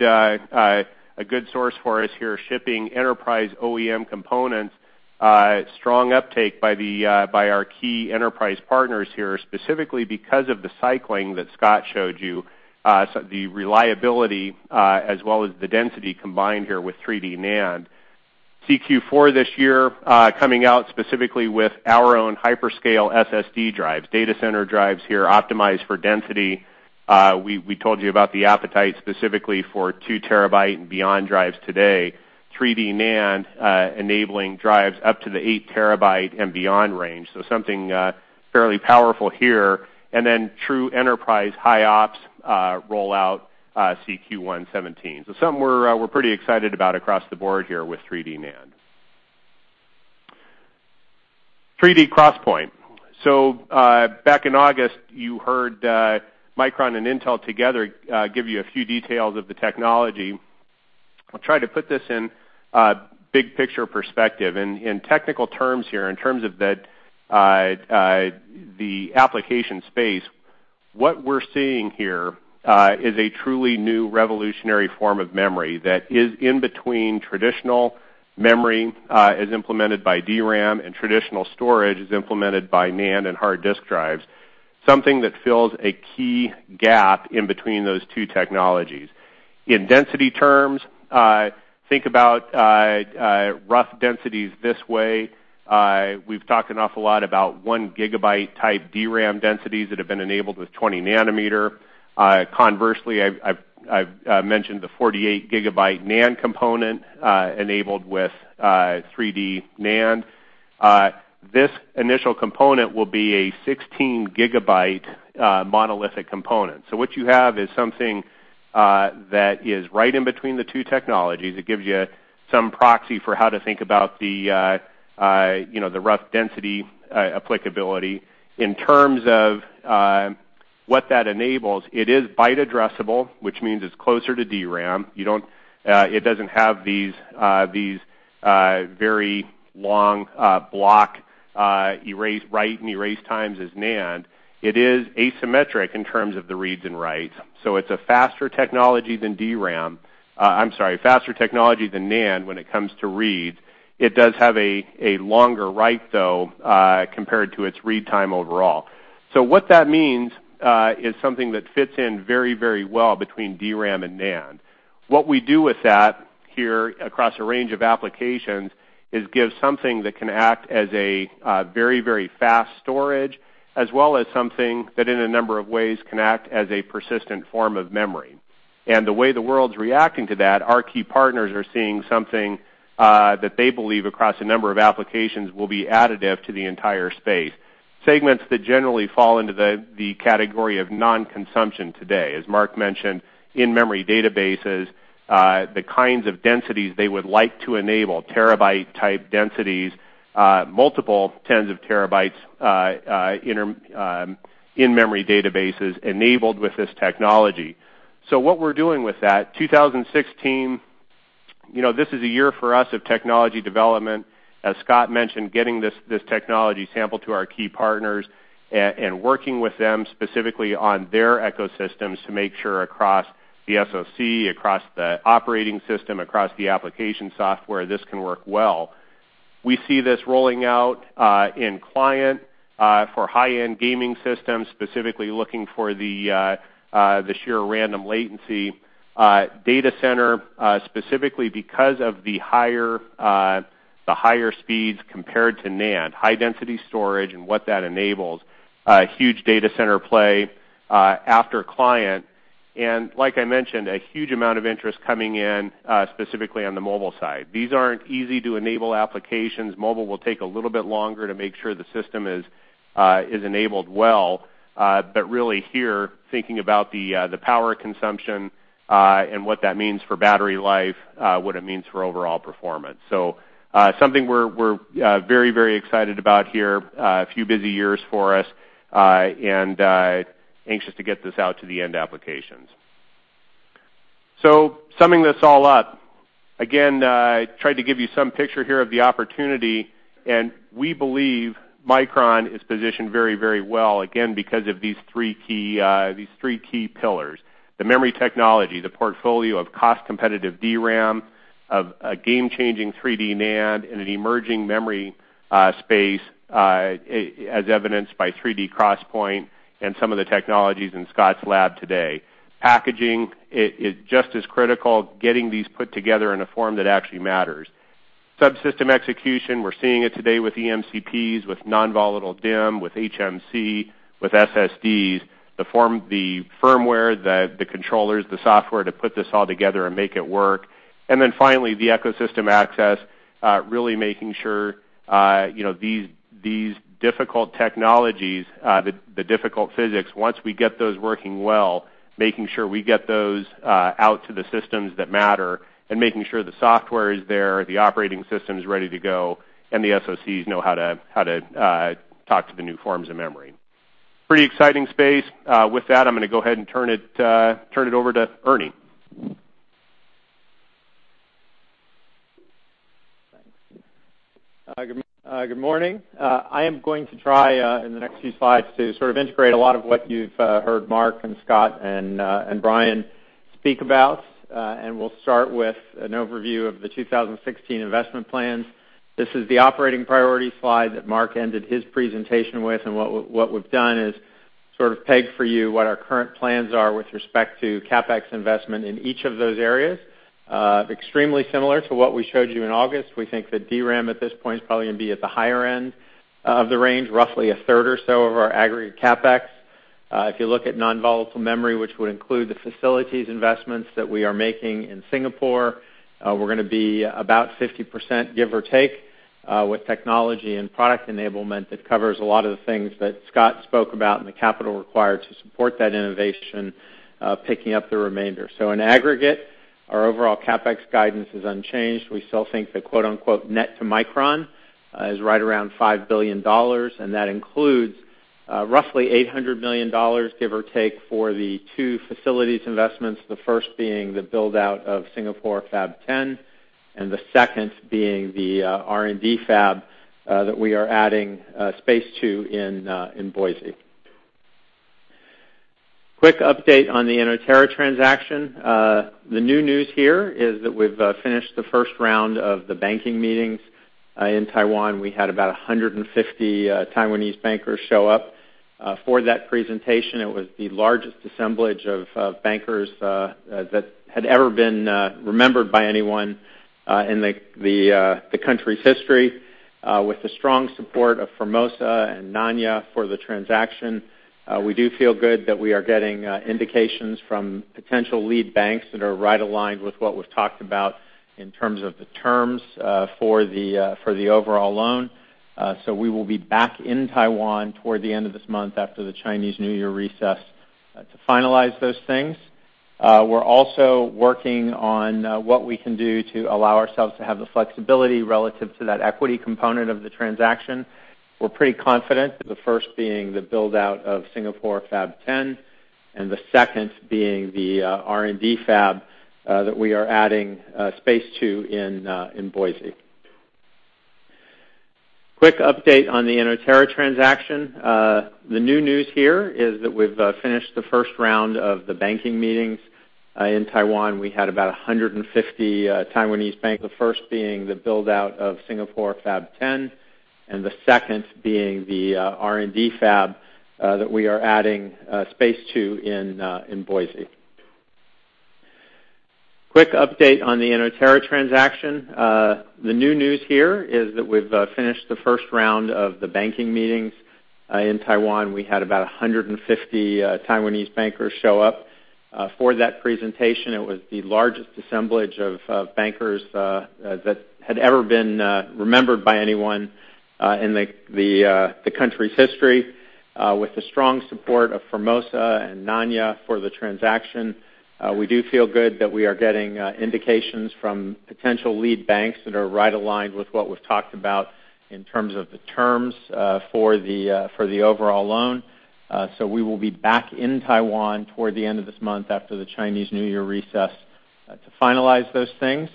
source for us here, shipping enterprise OEM components, strong uptake by our key enterprise partners here, specifically because of the cycling that Scott showed you, the reliability, as well as the density combined here with 3D NAND. CQ4 this year, coming out specifically with our own hyperscale SSD drives. Data center drives here optimized for density. We told you about the appetite specifically for two terabyte and beyond drives today, 3D NAND enabling drives up to the eight terabyte and beyond range. Something fairly powerful here. Then true enterprise high IOPS rollout CQ1 2017. Something we're pretty excited about across the board here with 3D NAND. 3D XPoint. Back in August, you heard Micron and Intel together give you a few details of the technology. I'll try to put this in a big picture perspective. In technical terms here, in terms of the application space, what we're seeing here is a truly new revolutionary form of memory that is in between traditional memory, as implemented by DRAM, and traditional storage, as implemented by NAND and hard disk drives. Something that fills a key gap in between those two technologies. In density terms, think about rough densities this way. We've talked an awful lot about 1 gigabyte type DRAM densities that have been enabled with 20 nanometer. Conversely, I've mentioned the 48 gigabyte NAND component enabled with 3D NAND. This initial component will be a 16 gigabyte monolithic component. What you have is something that is right in between the two technologies. It gives you some proxy for how to think about the rough density applicability. In terms of what that enables, it is byte addressable, which means it's closer to DRAM. It doesn't have these very long block write and erase times as NAND. It is asymmetric in terms of the reads and writes. It's a faster technology than NAND when it comes to read. It does have a longer write, though, compared to its read time overall. What that means is something that fits in very, very well between DRAM and NAND. What we do with that here across a range of applications is give something that can act as a very, very fast storage, as well as something that, in a number of ways, can act as a persistent form of memory. The way the world's reacting to that, our key partners are seeing something that they believe across a number of applications will be additive to the entire space. Segments that generally fall into the category of non-consumption today. As Mark mentioned, in-memory databases, the kinds of densities they would like to enable, terabyte-type densities, multiple tens of terabytes, in-memory databases enabled with this technology. What we're doing with that, 2016, this is a year for us of technology development. As Scott mentioned, getting this technology sampled to our key partners, and working with them specifically on their ecosystems to make sure across the SoC, across the operating system, across the application software, this can work well. We see this rolling out in client for high-end gaming systems, specifically looking for the sheer random latency data center, specifically because of the higher speeds compared to NAND. High-density storage and what that enables, a huge data center play after client. Like I mentioned, a huge amount of interest coming in specifically on the mobile side. These aren't easy-to-enable applications. Mobile will take a little bit longer to make sure the system is enabled well. Really here, thinking about the power consumption, and what that means for battery life, what it means for overall performance. Something we're very excited about here, a few busy years for us, and anxious to get this out to the end applications. Summing this all up, again, tried to give you some picture here of the opportunity, and we believe Micron is positioned very well, again, because of these three key pillars. The memory technology, the portfolio of cost-competitive DRAM, of a game-changing 3D NAND, and an emerging memory space, as evidenced by 3D XPoint and some of the technologies in Scott's lab today. Packaging, it is just as critical, getting these put together in a form that actually matters. Subsystem execution, we're seeing it today with eMCPs, with NVDIMM, with HMC, with SSDs. The firmware, the controllers, the software to put this all together and make it work. Then finally, the ecosystem access, really making sure these difficult technologies, the difficult physics, once we get those working well, making sure we get those out to the systems that matter, and making sure the software is there, the operating system is ready to go, and the SoCs know how to talk to the new forms of memory. Pretty exciting space. With that, I am going to go ahead and turn it over to Ernie. Thanks. Good morning. I am going to try, in the next few slides, to sort of integrate a lot of what you have heard Mark and Scott and Brian speak about. We will start with an overview of the 2016 investment plans. This is the operating priority slide that Mark ended his presentation with. What we have done is sort of pegged for you what our current plans are with respect to CapEx investment in each of those areas. Extremely similar to what we showed you in August. We think that DRAM at this point is probably going to be at the higher end of the range, roughly a third or so of our aggregate CapEx. If you look at non-volatile memory, which would include the facilities investments that we are making in Singapore, we are going to be about 50%, give or take, with technology and product enablement that covers a lot of the things that Scott spoke about, and the capital required to support that innovation, picking up the remainder. In aggregate, our overall CapEx guidance is unchanged. We still think the quote unquote, "net to Micron" is right around $5 billion, and that includes roughly $800 million, give or take, for the two facilities investments. The first being the build-out of Singapore Fab 10, and the second being the R&D fab that we are adding space to in Boise. Quick update on the Inotera transaction. The new news here is that we have finished the first round of the banking meetings. In Taiwan, we had about 150 Taiwanese bankers show up for that presentation. It was the largest assemblage of bankers that had ever been remembered by anyone in the country's history. With the strong support of Formosa and Nanya for the transaction, we do feel good that we are getting indications from potential lead banks that are right-aligned with what we have talked about in terms of the terms for the overall loan. We will be back in Taiwan toward the end of this month after the Chinese New Year recess to finalize those things. We are also working on what we can do to allow ourselves to have the flexibility relative to that equity component of the transaction. The first being the build-out of Singapore Fab 10, and the second being the R&D fab that we are adding space to in Boise. Quick update on the Inotera transaction. The first being the build-out of Singapore Fab 10, and the second being the R&D fab that we are adding space to in Boise. Quick update on the Inotera transaction. The new news here is that we've finished the first round of the banking meetings, in Taiwan. We had about 150 Taiwanese bankers show up for that presentation. It was the largest assemblage of bankers that had ever been remembered by anyone in the country's history, with the strong support of Formosa and Nanya for the transaction. We do feel good that we are getting indications from potential lead banks that are right aligned with what we've talked about in terms of the terms for the overall loan. We will be back in Taiwan toward the end of this month after the Chinese New Year recess to finalize those things.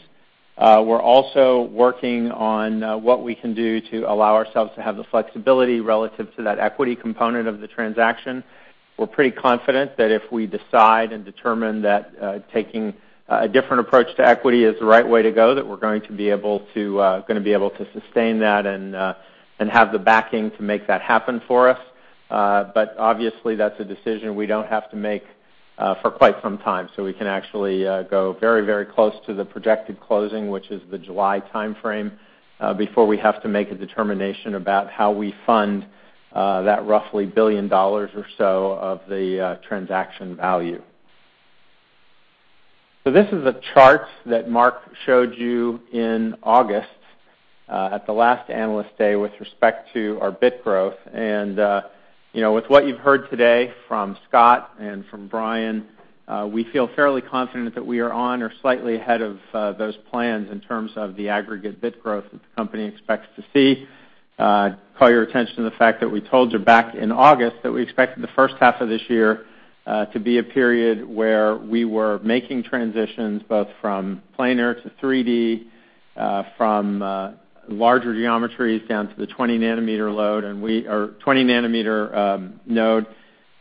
We're also working on what we can do to allow ourselves to have the flexibility relative to that equity component of the transaction. We're pretty confident that if we decide and determine that taking a different approach to equity is the right way to go, that we're going to be able to sustain that and have the backing to make that happen for us. Obviously, that's a decision we don't have to make for quite some time. We can actually go very close to the projected closing, which is the July timeframe, before we have to make a determination about how we fund that roughly $1 billion or so of the transaction value. This is a chart that Mark showed you in August, at the last Analyst Day, with respect to our bit growth. And with what you've heard today from Scott and from Brian, we feel fairly confident that we are on or slightly ahead of those plans in terms of the aggregate bit growth that the company expects to see. Call your attention to the fact that we told you back in August that we expected the first half of this year to be a period where we were making transitions both from planar to 3D, from larger geometries down to the 20 nanometer node,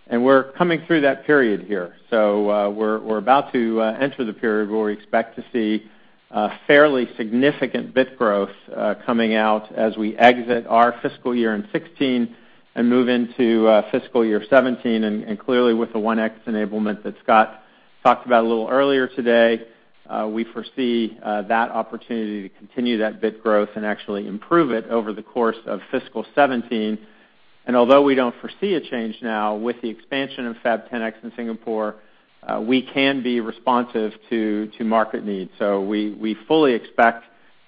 and we're coming through that period here. We're about to enter the period where we expect to see fairly significant bit growth coming out as we exit our fiscal year in 2016 and move into fiscal year 2017. Clearly, with the 1X enablement that Scott talked about a little earlier today, we foresee that opportunity to continue that bit growth and actually improve it over the course of fiscal 2017. Although we don't foresee a change now with the expansion of Fab 10X in Singapore, we can be responsive to market needs. We fully expect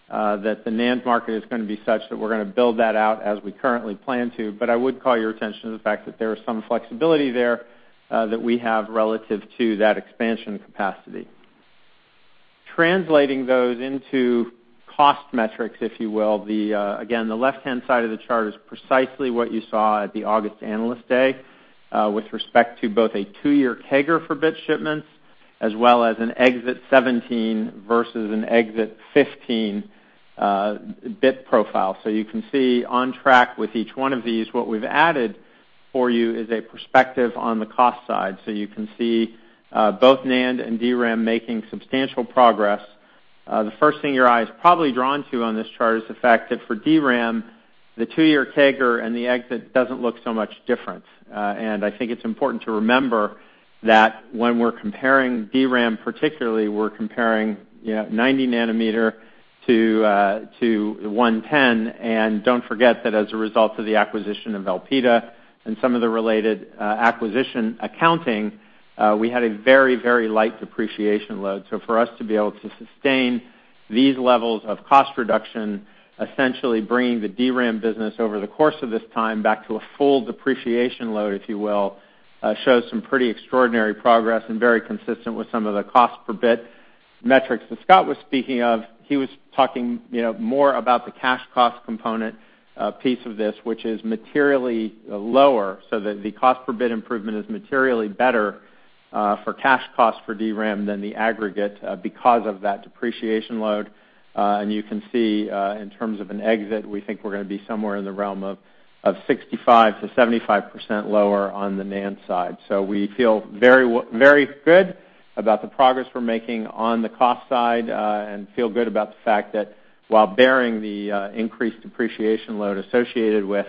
that the NAND market is going to be such that we're going to build that out as we currently plan to. I would call your attention to the fact that there is some flexibility there that we have relative to that expansion capacity. Translating those into cost metrics, if you will. The left-hand side of the chart is precisely what you saw at the August Analyst Day, with respect to both a 2-year CAGR for bit shipments, as well as an exit 2017 versus an exit 2015 bit profile. You can see on track with each one of these, what we've added for you is a perspective on the cost side. You can see both NAND and DRAM making substantial progress. The first thing your eye is probably drawn to on this chart is the fact that for DRAM, the 2-year CAGR and the exit doesn't look so much different. I think it's important to remember that when we're comparing DRAM particularly, we're comparing 90 nanometer to 110. Don't forget that as a result of the acquisition of Elpida and some of the related acquisition accounting, we had a very light depreciation load. For us to be able to sustain these levels of cost reduction, essentially bringing the DRAM business over the course of this time back to a full depreciation load, if you will, shows some pretty extraordinary progress and very consistent with some of the cost per bit metrics that Scott was speaking of. He was talking more about the cash cost component piece of this, which is materially lower, so that the cost per bit improvement is materially better for cash cost for DRAM than the aggregate because of that depreciation load. You can see, in terms of an exit, we think we're going to be somewhere in the realm of 65%-75% lower on the NAND side. We feel very good about the progress we're making on the cost side, and feel good about the fact that while bearing the increased depreciation load associated with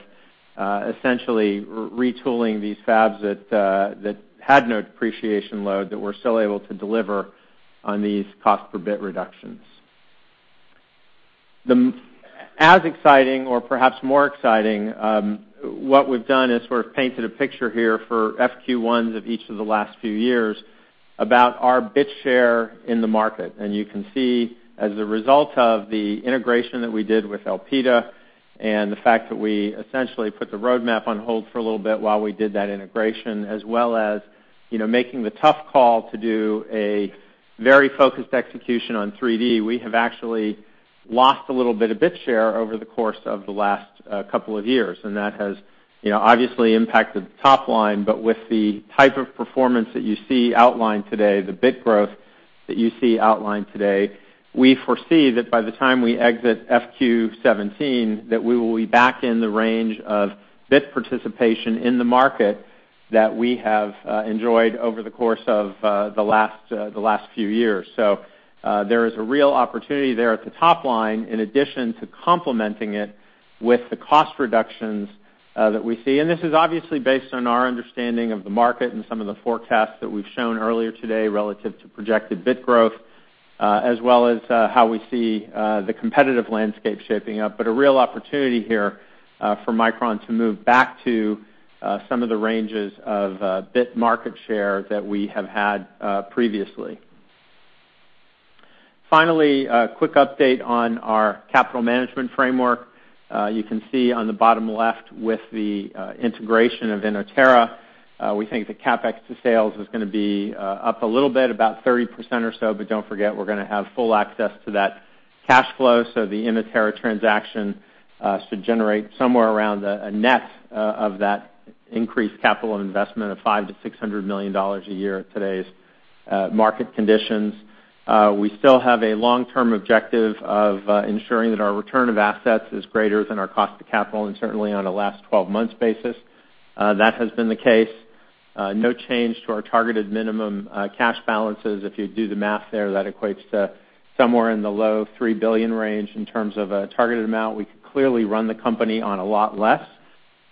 essentially retooling these fabs that had no depreciation load, that we're still able to deliver on these cost per bit reductions. As exciting or perhaps more exciting, what we've done is sort of painted a picture here for FQ1s of each of the last few years about our bit share in the market. You can see as a result of the integration that we did with Elpida and the fact that we essentially put the roadmap on hold for a little bit while we did that integration, as well as making the tough call to do a very focused execution on 3D. We have actually lost a little bit of bit share over the course of the last couple of years, and that has obviously impacted the top line. With the type of performance that you see outlined today, the bit growth that you see outlined today, we foresee that by the time we exit FQ 2017, that we will be back in the range of bit participation in the market that we have enjoyed over the course of the last few years. There is a real opportunity there at the top line, in addition to complementing it with the cost reductions that we see. This is obviously based on our understanding of the market and some of the forecasts that we've shown earlier today relative to projected bit growth, as well as how we see the competitive landscape shaping up. A real opportunity here for Micron to move back to some of the ranges of bit market share that we have had previously. Finally, a quick update on our capital management framework. You can see on the bottom left with the integration of Inotera, we think the CapEx to sales is going to be up a little bit, about 30% or so. Don't forget, we're going to have full access to that cash flow. The Inotera transaction should generate somewhere around a net of that increased capital investment of $500 million-$600 million a year at today's market conditions. We still have a long-term objective of ensuring that our return of assets is greater than our cost of capital, and certainly on a last 12-months basis. That has been the case. No change to our targeted minimum cash balances. If you do the math there, that equates to somewhere in the low $3 billion range in terms of a targeted amount. We could clearly run the company on a lot less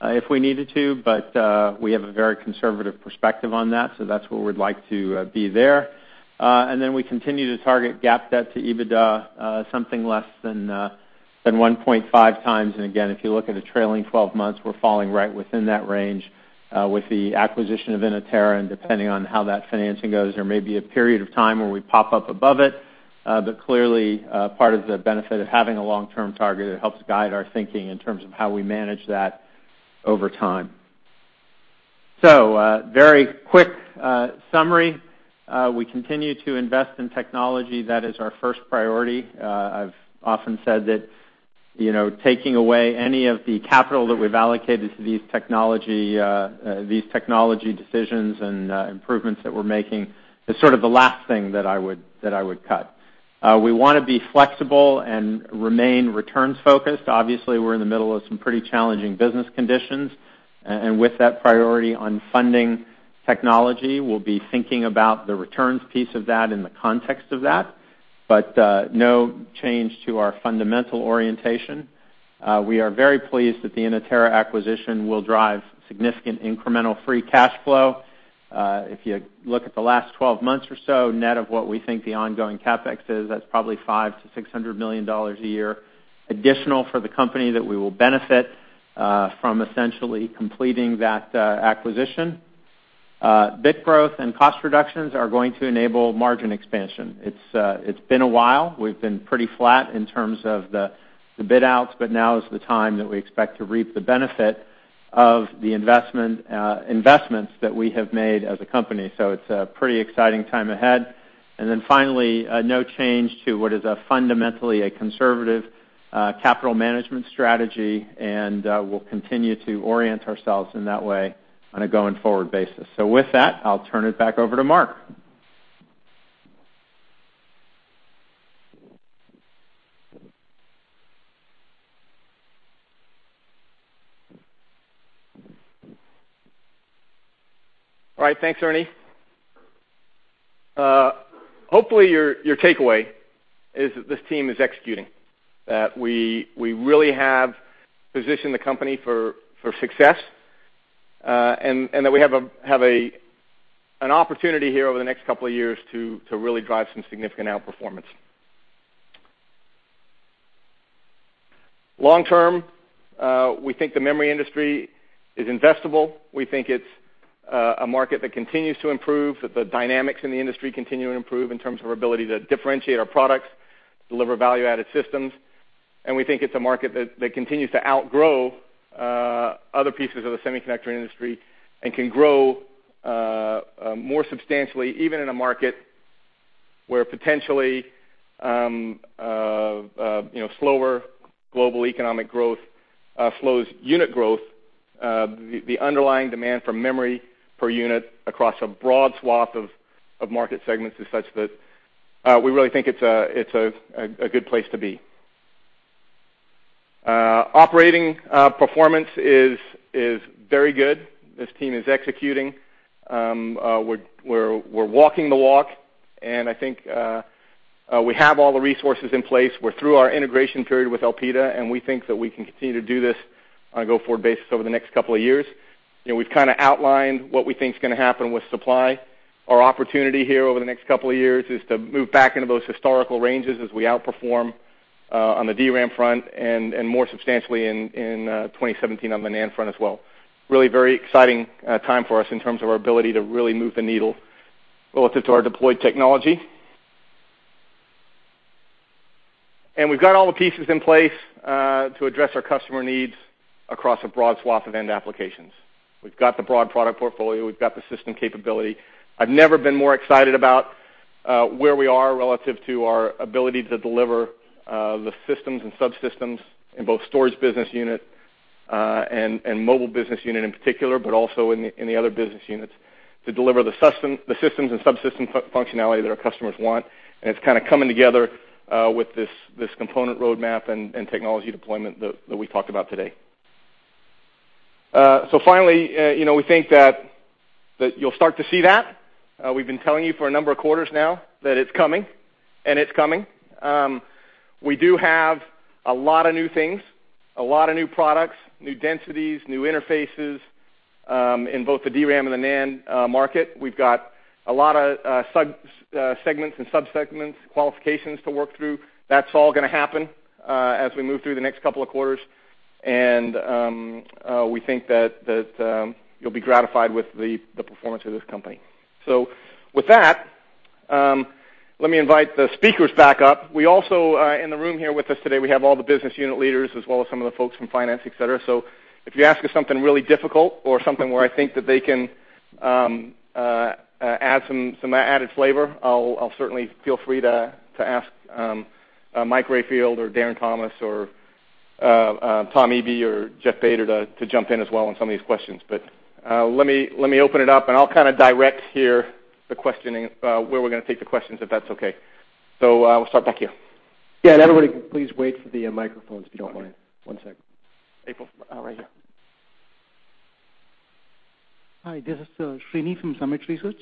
if we needed to, but we have a very conservative perspective on that. That's where we'd like to be there. We continue to target GAAP debt to EBITDA, something less than 1.5 times. Again, if you look at the trailing 12-months, we're falling right within that range. With the acquisition of Inotera and depending on how that financing goes, there may be a period of time where we pop up above it. Clearly, part of the benefit of having a long-term target, it helps guide our thinking in terms of how we manage that over time. Very quick summary. We continue to invest in technology. That is our first priority. I've often said that taking away any of the capital that we've allocated to these technology decisions and improvements that we're making is sort of the last thing that I would cut. We want to be flexible and remain returns-focused. Obviously, we're in the middle of some pretty challenging business conditions. With that priority on funding technology, we'll be thinking about the returns piece of that in the context of that. No change to our fundamental orientation. We are very pleased that the Inotera acquisition will drive significant incremental free cash flow. If you look at the last 12-months or so, net of what we think the ongoing CapEx is, that's probably $500 million-$600 million a year additional for the company that we will benefit from essentially completing that acquisition. Bit growth and cost reductions are going to enable margin expansion. It's been a while. We've been pretty flat in terms of the bit-outs, but now is the time that we expect to reap the benefit of the investments that we have made as a company. It's a pretty exciting time ahead. Finally, no change to what is fundamentally a conservative capital management strategy, and we'll continue to orient ourselves in that way on a going-forward basis. With that, I'll turn it back over to Mark. All right. Thanks, Ernie. Hopefully, your takeaway is that this team is executing, that we really have positioned the company for success, and that we have an opportunity here over the next couple of years to really drive some significant outperformance. Long term, we think the memory industry is investable. We think it's a market that continues to improve, that the dynamics in the industry continue to improve in terms of our ability to differentiate our products, deliver value-added systems. We think it's a market that continues to outgrow other pieces of the semiconductor industry and can grow more substantially, even in a market where potentially slower global economic growth slows unit growth. The underlying demand for memory per unit across a broad swath of market segments is such that we really think it's a good place to be. Operating performance is very good. This team is executing. We're walking the walk, and I think we have all the resources in place. We're through our integration period with Elpida, and we think that we can continue to do this on a go-forward basis over the next couple of years. We've kind of outlined what we think is going to happen with supply. Our opportunity here over the next couple of years is to move back into those historical ranges as we outperform on the DRAM front and more substantially in 2017 on the NAND front as well. Really, very exciting time for us in terms of our ability to really move the needle relative to our deployed technology. We've got all the pieces in place to address our customer needs across a broad swath of end applications. We've got the broad product portfolio. We've got the system capability. I've never been more excited about where we are relative to our ability to deliver the systems and subsystems in both Storage Business Unit and Mobile Business Unit in particular, but also in the other business units, to deliver the systems and subsystems functionality that our customers want. It's kind of coming together with this component roadmap and technology deployment that we talked about today. Finally, we think that you'll start to see that. We've been telling you for a number of quarters now that it's coming, and it's coming. We do have a lot of new things, a lot of new products, new densities, new interfaces, in both the DRAM and the NAND market. We've got a lot of segments and sub-segments, qualifications to work through. That's all going to happen as we move through the next couple of quarters. We think that you'll be gratified with the performance of this company. With that, let me invite the speakers back up. We also, in the room here with us today, we have all the business unit leaders as well as some of the folks from finance, et cetera. If you ask us something really difficult or something where I think that they can add some added flavor, I'll certainly feel free to ask Mike Rayfield or Darren Thomas or Tom Eby or Jeff Bader to jump in as well on some of these questions. Let me open it up, and I'll kind of direct here the questioning, where we're going to take the questions, if that's okay. We'll start back here. Yeah, everybody please wait for the microphones if you don't mind. One sec. April, right here. Hi, this is Srini from Summit Research.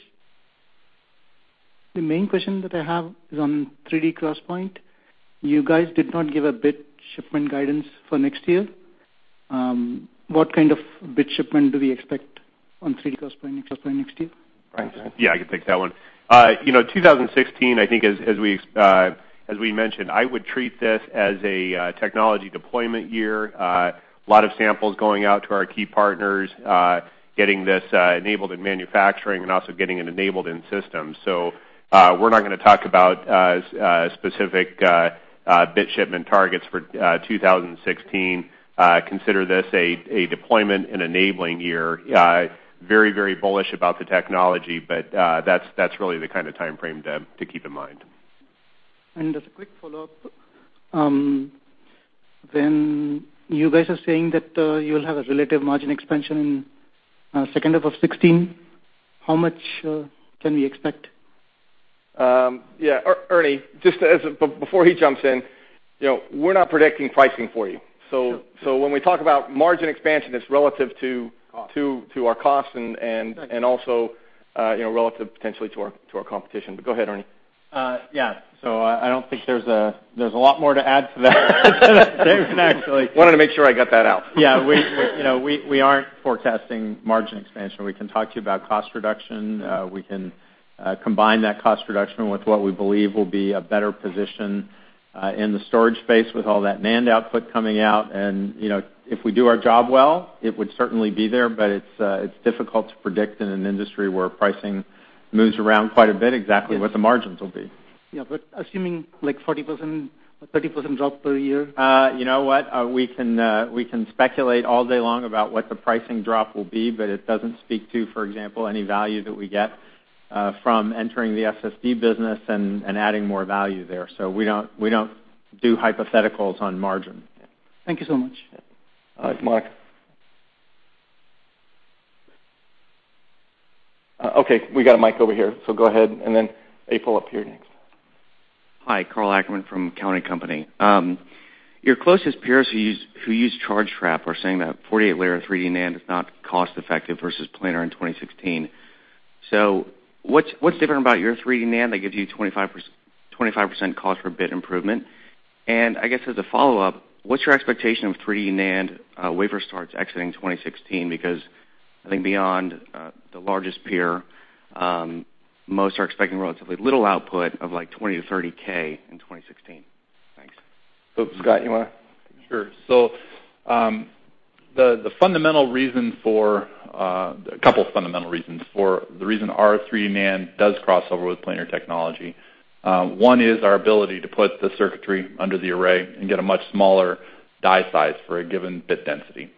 The main question that I have is on 3D XPoint. You guys did not give a bit shipment guidance for next year. What kind of bit shipment do we expect on 3D XPoint supply next year? Brian? Yeah, I can take that one. 2016, I think as we mentioned, I would treat this as a technology deployment year. A lot of samples going out to our key partners, getting this enabled in manufacturing and also getting it enabled in systems. We're not going to talk about specific bit shipment targets for 2016. Consider this a deployment and enabling year. Very bullish about the technology, but that's really the kind of timeframe to keep in mind. As a quick follow-up, when you guys are saying that you'll have a relative margin expansion in second half of 2016, how much can we expect? Yeah. Ernie, just before he jumps in, we're not predicting pricing for you. Sure. When we talk about margin expansion, it's relative to- Costs Our costs and also relative potentially to our competition. Go ahead, Ernie. Yeah. I don't think there's a lot more to add to that. I wanted to make sure I got that out. Yeah. We aren't forecasting margin expansion. We can talk to you about cost reduction. We can combine that cost reduction with what we believe will be a better position, in the storage space with all that NAND output coming out. If we do our job well, it would certainly be there. It's difficult to predict in an industry where pricing moves around quite a bit, exactly what the margins will be. Yeah. Assuming like 40%, 30% drop per year? We can speculate all day long about what the pricing drop will be, but it doesn't speak to, for example, any value that we get from entering the SSD business and adding more value there. We don't do hypotheticals on margin. Thank you so much. All right, Mark. Okay, we got a mic over here, so go ahead. Then April up here next. Hi, Karl Ackerman from Cowen and Company. Your closest peers who use charge trap are saying that 48-layer 3D NAND is not cost-effective versus planar in 2016. What's different about your 3D NAND that gives you 25% cost per bit improvement? I guess as a follow-up, what's your expectation of 3D NAND wafer starts exiting 2016? Because I think beyond the largest peer, most are expecting relatively little output of like 20 to 30K in 2016. Thanks. Scott, you want to? Sure. A couple of fundamental reasons for the reason our 3D NAND does cross over with planar technology. One is our ability to put the circuitry under the array and get a much smaller die size for a given bit density.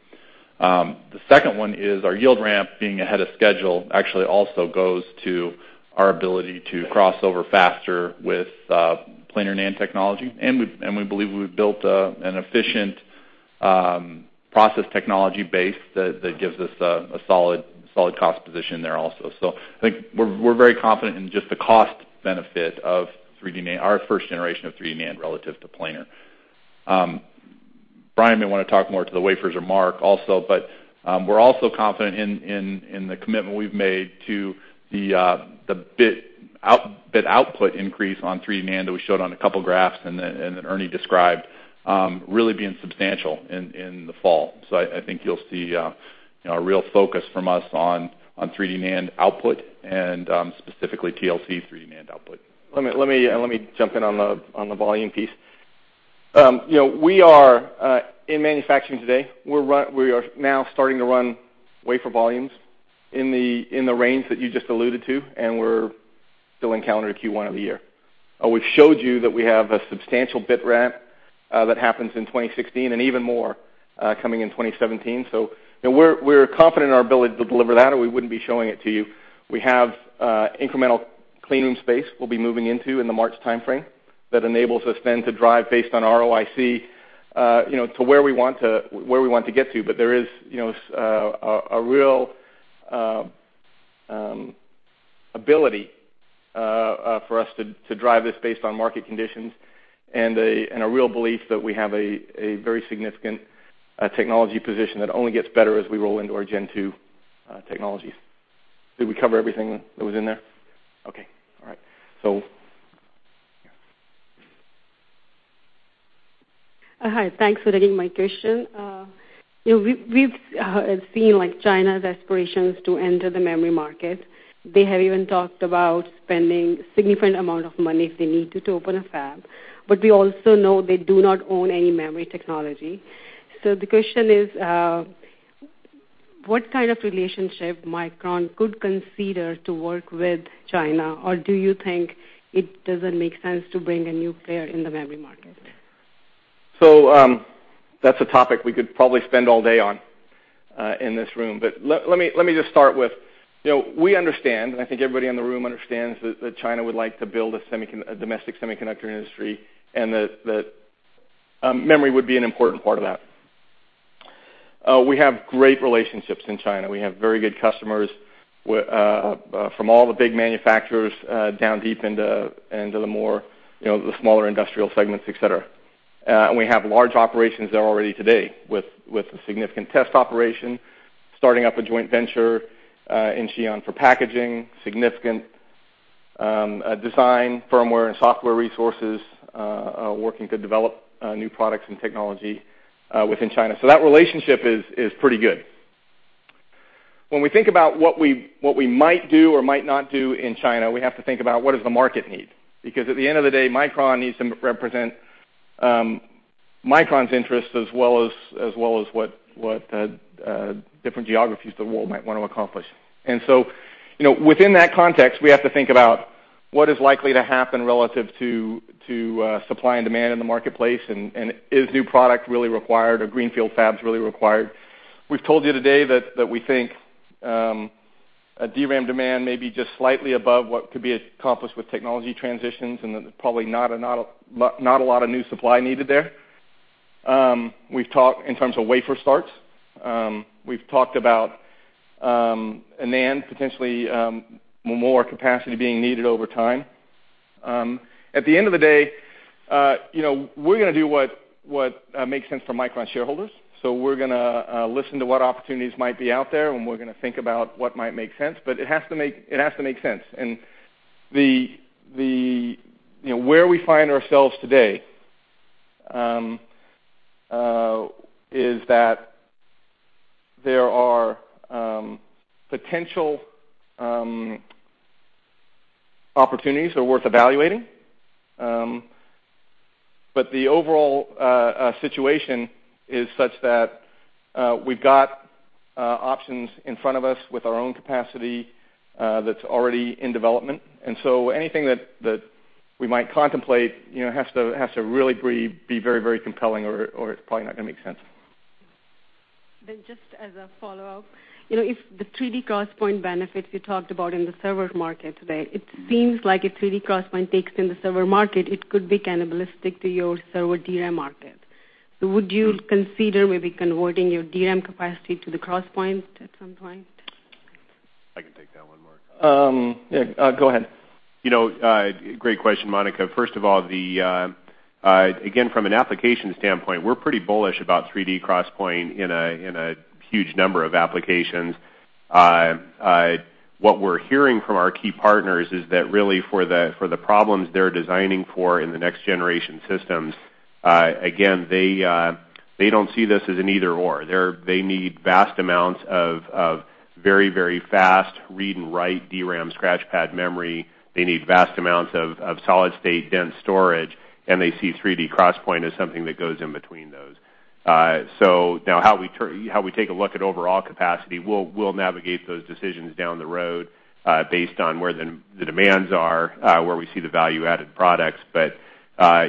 The second one is our yield ramp being ahead of schedule, actually also goes to our ability to cross over faster with planar NAND technology. We believe we've built an efficient process technology base that gives us a solid cost position there also. I think we're very confident in just the cost benefit of our first generation of 3D NAND relative to planar. Brian may want to talk more to the wafers or Mark also, we're also confident in the commitment we've made to the bit output increase on 3D NAND that we showed on a couple graphs and that Ernie described, really being substantial in the fall. I think you'll see a real focus from us on 3D NAND output and, specifically TLC 3D NAND output. Let me jump in on the volume piece. We are in manufacturing today. We are now starting to run wafer volumes in the range that you just alluded to, and we're still in calendar Q1 of the year. We've showed you that we have a substantial bit ramp that happens in 2016 and even more coming in 2017. We're confident in our ability to deliver that, or we wouldn't be showing it to you. We have incremental clean room space we'll be moving into in the March timeframe that enables us then to drive based on ROIC, to where we want to get to. There is a real ability for us to drive this based on market conditions and a real belief that we have a very significant technology position that only gets better as we roll into our gen 2 technologies. Did we cover everything that was in there? Okay. All right. Yeah. Hi, thanks for taking my question. We've seen China's aspirations to enter the memory market. They have even talked about spending significant amount of money if they needed to open a fab. We also know they do not own any memory technology. The question is, what kind of relationship Micron could consider to work with China, or do you think it doesn't make sense to bring a new player in the memory market? That's a topic we could probably spend all day on in this room. Let me just start with, we understand, I think everybody in the room understands that China would like to build a domestic semiconductor industry, that memory would be an important part of that. We have great relationships in China. We have very good customers from all the big manufacturers, down deep into the smaller industrial segments, et cetera. We have large operations there already today, with a significant test operation, starting up a joint venture in Xi'an for packaging, significant design firmware and software resources working to develop new products and technology within China. That relationship is pretty good. When we think about what we might do or might not do in China, we have to think about what does the market need. Because at the end of the day, Micron needs to represent Micron's interests as well as what different geographies of the world might want to accomplish. Within that context, we have to think about what is likely to happen relative to supply and demand in the marketplace, and is new product really required, or greenfield fab's really required. We've told you today that we think DRAM demand may be just slightly above what could be accomplished with technology transitions, and that there's probably not a lot of new supply needed there. We've talked in terms of wafer starts. We've talked about NAND, potentially more capacity being needed over time. At the end of the day, we're going to do what makes sense for Micron shareholders. We're going to listen to what opportunities might be out there, and we're going to think about what might make sense, but it has to make sense. Where we find ourselves today is that there are potential opportunities that are worth evaluating. The overall situation is such that we've got options in front of us with our own capacity that's already in development. Anything that we might contemplate has to really be very compelling, or it's probably not going to make sense. Just as a follow-up, if the 3D XPoint benefits you talked about in the server market today, it seems like if 3D XPoint takes in the server market, it could be cannibalistic to your server DRAM market. Would you consider maybe converting your DRAM capacity to the XPoint at some point? I can take that one, Mark. Yeah, go ahead. Great question, Monica. First of all, again, from an application standpoint, we're pretty bullish about 3D XPoint in a huge number of applications. What we're hearing from our key partners is that really for the problems they're designing for in the next generation systems, again, they don't see this as an either/or. They need vast amounts of very fast read and write DRAM scratch pad memory. They need vast amounts of solid-state dense storage, and they see 3D XPoint as something that goes in between those. Now, how we take a look at overall capacity, we'll navigate those decisions down the road, based on where the demands are, where we see the value-added products.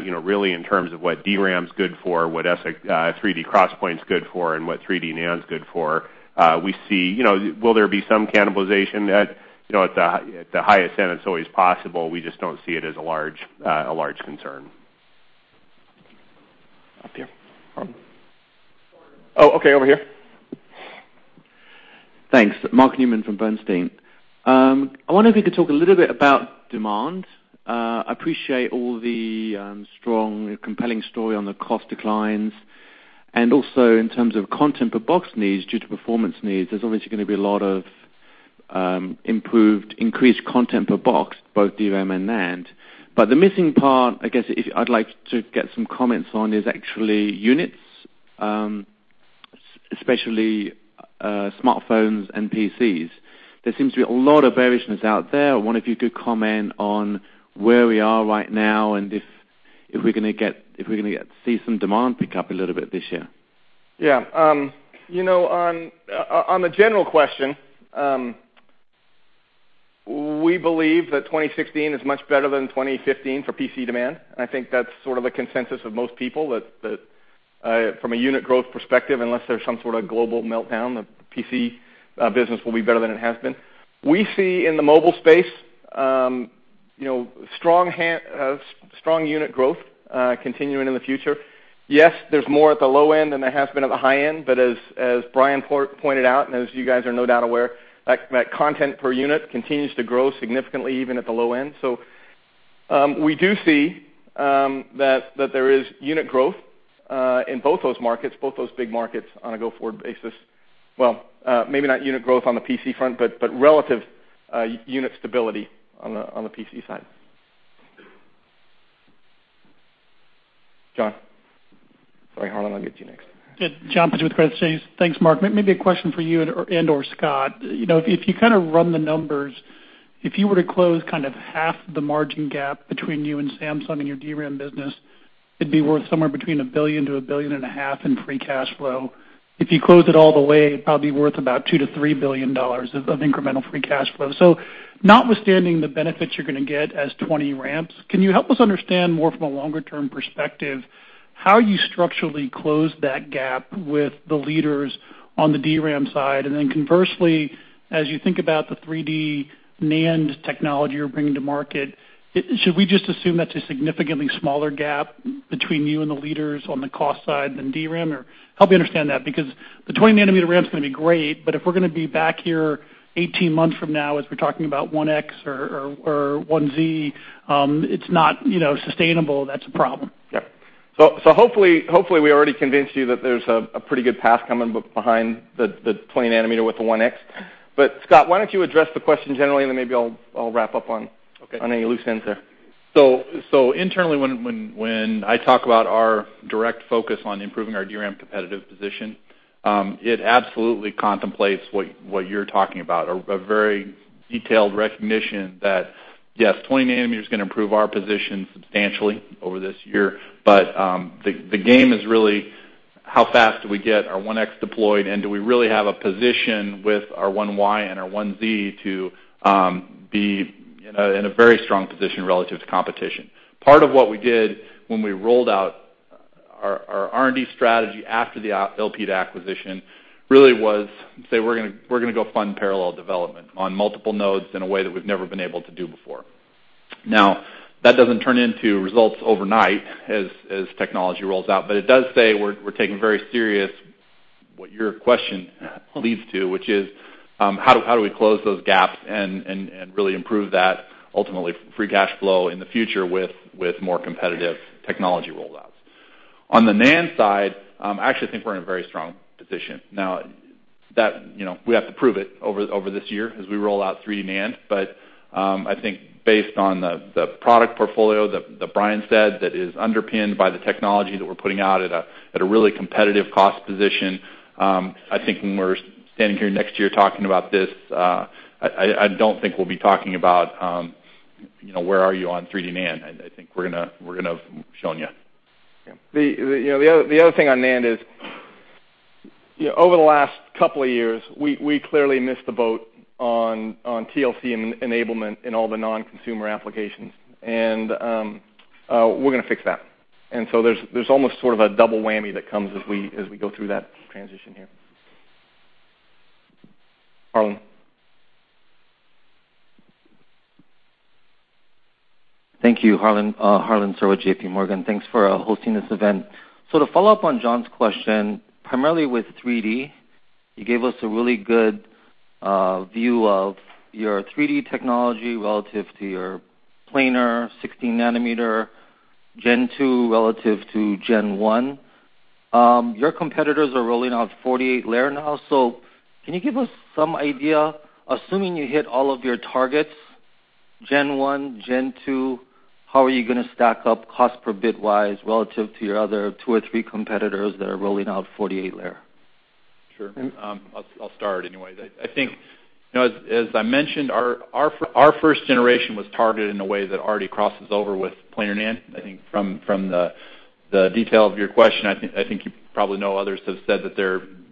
Really, in terms of what DRAM's good for, what 3D XPoint's good for, and what 3D NAND's good for, will there be some cannibalization? At the highest end, it's always possible. We just don't see it as a large concern. Up here. Oh, okay, over here. Thanks. Mark Newman from Bernstein. I wonder if you could talk a little bit about demand. Appreciate all the strong, compelling story on the cost declines. Also, in terms of content per box needs, due to performance needs, there's obviously going to be a lot of improved increased content per box, both DRAM and NAND. The missing part, I guess, I'd like to get some comments on is actually units, especially smartphones and PCs. There seems to be a lot of bearishness out there. I wonder if you could comment on where we are right now and if we're going to see some demand pick up a little bit this year. On the general question, we believe that 2016 is much better than 2015 for PC demand. I think that's sort of the consensus of most people, that from a unit growth perspective, unless there's some sort of global meltdown, the PC business will be better than it has been. We see in the mobile space strong unit growth continuing in the future. Yes, there's more at the low end than there has been at the high end, as Brian pointed out, and as you guys are no doubt aware, that content per unit continues to grow significantly, even at the low end. We do see that there is unit growth in both those markets, both those big markets, on a go-forward basis. Well, maybe not unit growth on the PC front, but relative unit stability on the PC side. John. Sorry, Harlan, I'll get to you next. John with Credit Suisse. Thanks, Mark. Maybe a question for you and/or Scott. If you run the numbers, if you were to close half the margin gap between you and Samsung in your DRAM business, it'd be worth somewhere between $1 billion-$1.5 billion in free cash flow. If you close it all the way, it'd probably be worth about $2 billion-$3 billion of incremental free cash flow. Notwithstanding the benefits you're going to get as 20 ramps, can you help us understand more from a longer-term perspective how you structurally close that gap with the leaders on the DRAM side? Conversely, as you think about the 3D NAND technology you're bringing to market, should we just assume that's a significantly smaller gap between you and the leaders on the cost side than DRAM, or help me understand that. The 20-nanometer ramp's going to be great, if we're going to be back here 18 months from now as we're talking about 1X or 1Z, it's not sustainable. That's a problem. Yep. Hopefully we already convinced you that there's a pretty good path coming behind the 20 nanometer with the 1X. Scott, why don't you address the question generally, and then maybe I'll wrap up. Okay Any loose ends there. Internally, when I talk about our direct focus on improving our DRAM competitive position, it absolutely contemplates what you're talking about. A very detailed recognition that, yes, 20 nanometers is going to improve our position substantially over this year. The game is really how fast do we get our 1X deployed, and do we really have a position with our 1Y and our 1Z to be in a very strong position relative to competition. Part of what we did when we rolled out our R&D strategy after the Elpida acquisition really was say we're going to go fund parallel development on multiple nodes in a way that we've never been able to do before. That doesn't turn into results overnight as technology rolls out, it does say we're taking very serious what your question leads to, which is how do we close those gaps, and really improve that, ultimately, free cash flow in the future with more competitive technology rollouts. On the NAND side, I actually think we're in a very strong position. We have to prove it over this year as we roll out 3D NAND. I think based on the product portfolio that Brian said that is underpinned by the technology that we're putting out at a really competitive cost position, I think when we're standing here next year talking about this, I don't think we'll be talking about where are you on 3D NAND. I think we're going to have shown you. Yeah. The other thing on NAND is, over the last couple of years, we clearly missed the boat on TLC enablement in all the non-consumer applications, and we're going to fix that. There's almost sort of a double whammy that comes as we go through that transition here. Harlan. Thank you, Harlan. Harlan Sur with J.P. Morgan, thanks for hosting this event. To follow up on John's question, primarily with 3D, you gave us a really good view of your 3D technology relative to your planar 16 nanometer Gen 2 relative to Gen 1. Your competitors are rolling out 48 layer now, can you give us some idea, assuming you hit all of your targets, Gen 1, Gen 2, how are you going to stack up cost per bitwise relative to your other two or three competitors that are rolling out 48 layer? Sure. I'll start anyway. I think, as I mentioned, our first generation was targeted in a way that already crosses over with planar NAND. I think from the details of your question, I think you probably know others have said that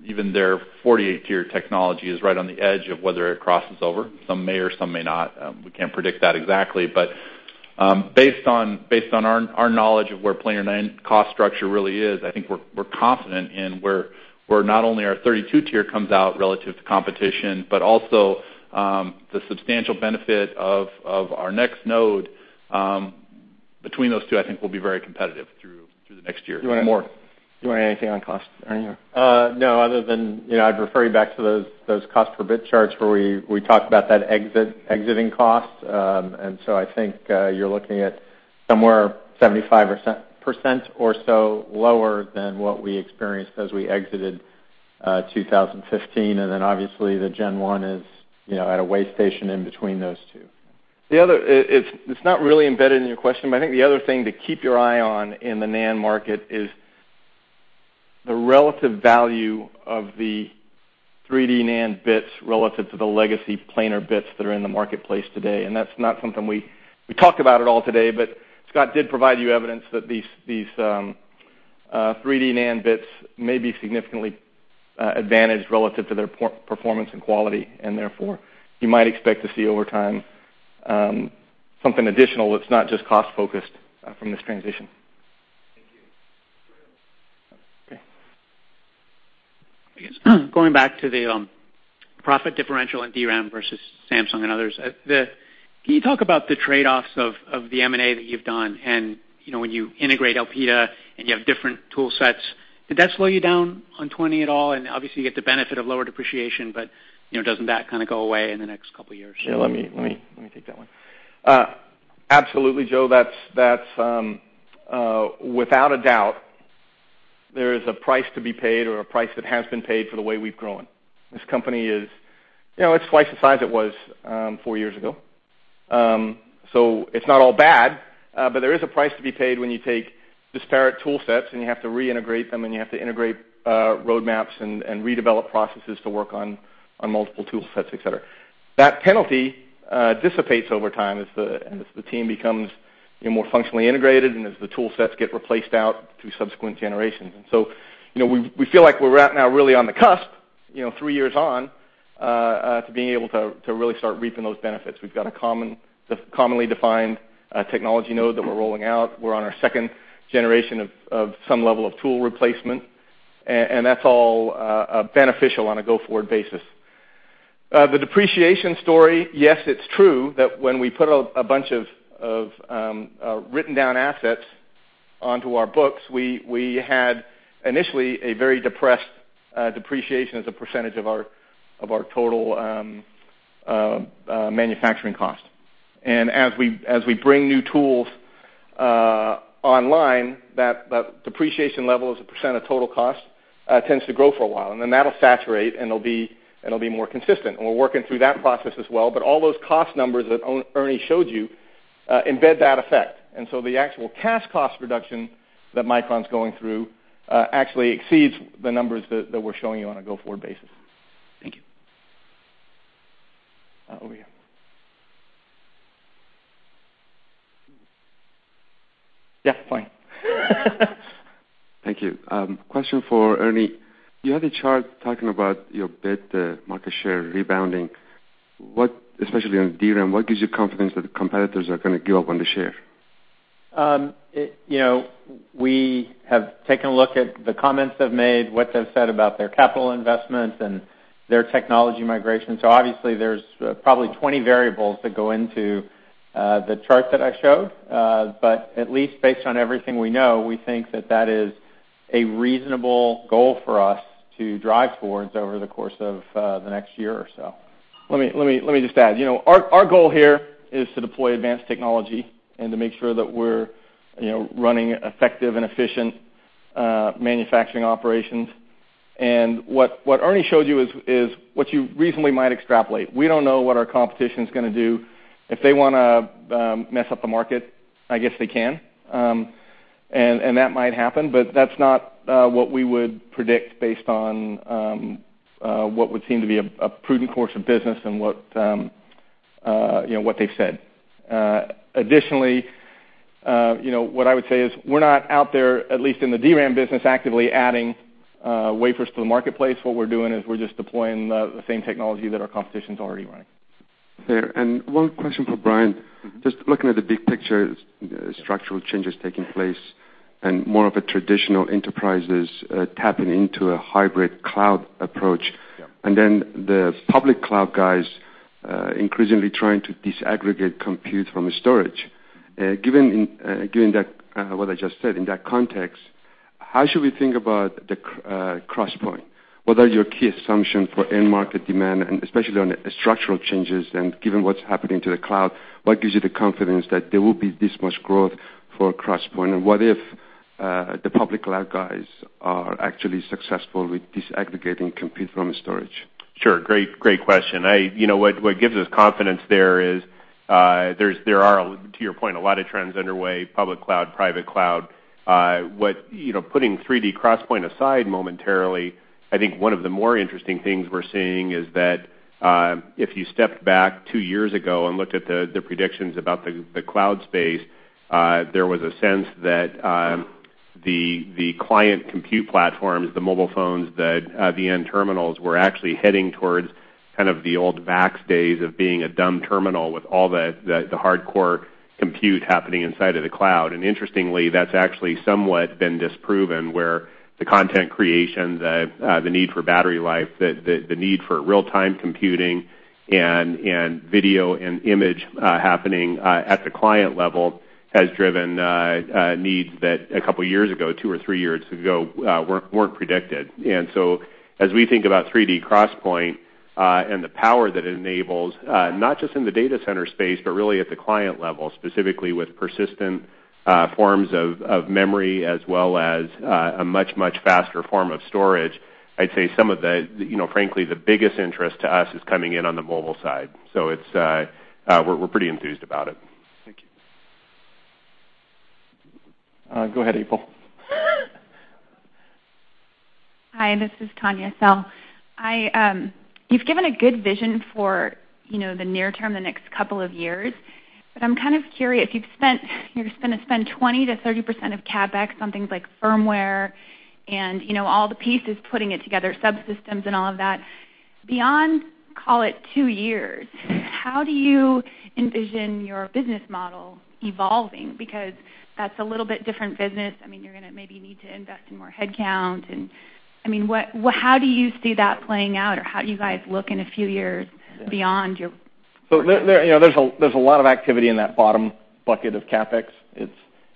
even their 48-tier technology is right on the edge of whether it crosses over. Some may or some may not. We can't predict that exactly. Based on our knowledge of where planar NAND cost structure really is, I think we're confident in where not only our 32 tier comes out relative to competition, but also the substantial benefit of our next node. Between those two, I think we'll be very competitive through the next year more. Do you want to add anything on costs, Ernie? No, other than I'd refer you back to those cost per bit charts where we talked about that exiting cost. I think you're looking at somewhere 75% or so lower than what we experienced as we exited 2015. Obviously, the Gen 1 is at a way station in between those two. It's not really embedded in your question, but I think the other thing to keep your eye on in the NAND market is the relative value of the 3D NAND bits relative to the legacy planar bits that are in the marketplace today. That's not something we talked about at all today, but Scott did provide you evidence that these 3D NAND bits may be significantly advantaged relative to their performance and quality, and therefore, you might expect to see over time something additional that's not just cost-focused from this transition. Going back to the profit differential in DRAM versus Samsung and others, can you talk about the trade-offs of the M&A that you've done? When you integrate Elpida and you have different tool sets, did that slow you down on '20 at all? Obviously you get the benefit of lower depreciation, but doesn't that kind of go away in the next couple of years? Yeah, let me take that one. Absolutely, Joe. Without a doubt, there is a price to be paid or a price that has been paid for the way we've grown. This company is twice the size it was four years ago. It's not all bad. There is a price to be paid when you take disparate tool sets and you have to reintegrate them, and you have to integrate roadmaps and redevelop processes to work on multiple tool sets, et cetera. That penalty dissipates over time as the team becomes more functionally integrated and as the tool sets get replaced out through subsequent generations. We feel like we're at now really on the cusp, three years on, to being able to really start reaping those benefits. We've got a commonly defined technology node that we're rolling out. We're on our second generation of some level of tool replacement, that's all beneficial on a go-forward basis. The depreciation story, yes, it's true that when we put a bunch of written-down assets onto our books, we had initially a very depressed depreciation as a percentage of our total manufacturing cost. As we bring new tools online, that depreciation level as a percent of total cost tends to grow for a while, then that'll saturate, and it'll be more consistent. We're working through that process as well. All those cost numbers that Ernie showed you embed that effect. The actual cash cost reduction that Micron's going through actually exceeds the numbers that we're showing you on a go-forward basis. Thank you. Over here. Yeah, fine. Thank you. Question for Ernie. You had a chart talking about your bit, the market share rebounding, especially on DRAM, what gives you confidence that the competitors are going to give up on the share? We have taken a look at the comments they've made, what they've said about their capital investments and their technology migration. Obviously there's probably 20 variables that go into the chart that I showed. At least based on everything we know, we think that that is a reasonable goal for us to drive towards over the course of the next year or so. Let me just add. Our goal here is to deploy advanced technology and to make sure that we're running effective and efficient manufacturing operations. What Ernie showed you is what you reasonably might extrapolate. We don't know what our competition's going to do. If they want to mess up the market, I guess they can. That might happen, but that's not what we would predict based on what would seem to be a prudent course of business and what they've said. Additionally, what I would say is we're not out there, at least in the DRAM business, actively adding wafers to the marketplace. What we're doing is we're just deploying the same technology that our competition's already running. Fair. One question for Brian. Just looking at the big picture, structural changes taking place, more of a traditional enterprises tapping into a hybrid cloud approach. Yeah. The public cloud guys increasingly trying to disaggregate compute from storage. Given what I just said, in that context, how should we think about the XPoint? What are your key assumptions for end market demand, especially on structural changes and given what's happening to the cloud, what gives you the confidence that there will be this much growth for XPoint? What if the public cloud guys are actually successful with disaggregating compute from storage? Sure. Great question. What gives us confidence there is, there are, to your point, a lot of trends underway, public cloud, private cloud. Putting 3D XPoint aside momentarily, I think one of the more interesting things we're seeing is that if you stepped back two years ago and looked at the predictions about the cloud space, there was a sense that the client compute platforms, the mobile phones, the end terminals were actually heading towards kind of the old VAX days of being a dumb terminal with all the hardcore compute happening inside of the cloud. Interestingly, that's actually somewhat been disproven where the content creation, the need for battery life, the need for real-time computing, and video and image happening at the client level has driven needs that a couple of years ago, two or three years ago, weren't predicted. As we think about 3D XPoint, and the power that it enables, not just in the data center space, but really at the client level, specifically with persistent forms of memory as well as a much, much faster form of storage, I'd say some of the, frankly, the biggest interest to us is coming in on the mobile side. We're pretty enthused about it. Thank you. Go ahead, April. Hi, this is Tanya Sell. You've given a good vision for the near term, the next couple of years. I'm kind of curious, you're going to spend 20%-30% of CapEx on things like firmware and all the pieces, putting it together, subsystems and all of that. Beyond, call it two years, how do you envision your business model evolving? Because that's a little bit different business. You're going to maybe need to invest in more headcount. How do you see that playing out, or how do you guys look in a few years? There's a lot of activity in that bottom bucket of CapEx.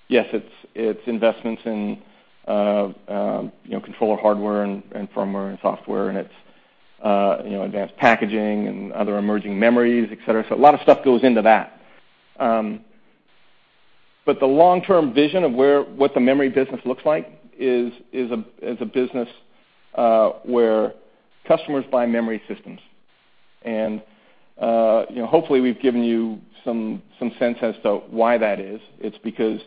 Yes, it's investments in controller hardware and firmware and software, it's advanced packaging and other emerging memories, et cetera. A lot of stuff goes into that. The long-term vision of what the memory business looks like is a business where customers buy memory systems. Hopefully we've given you some sense as to why that is. It's because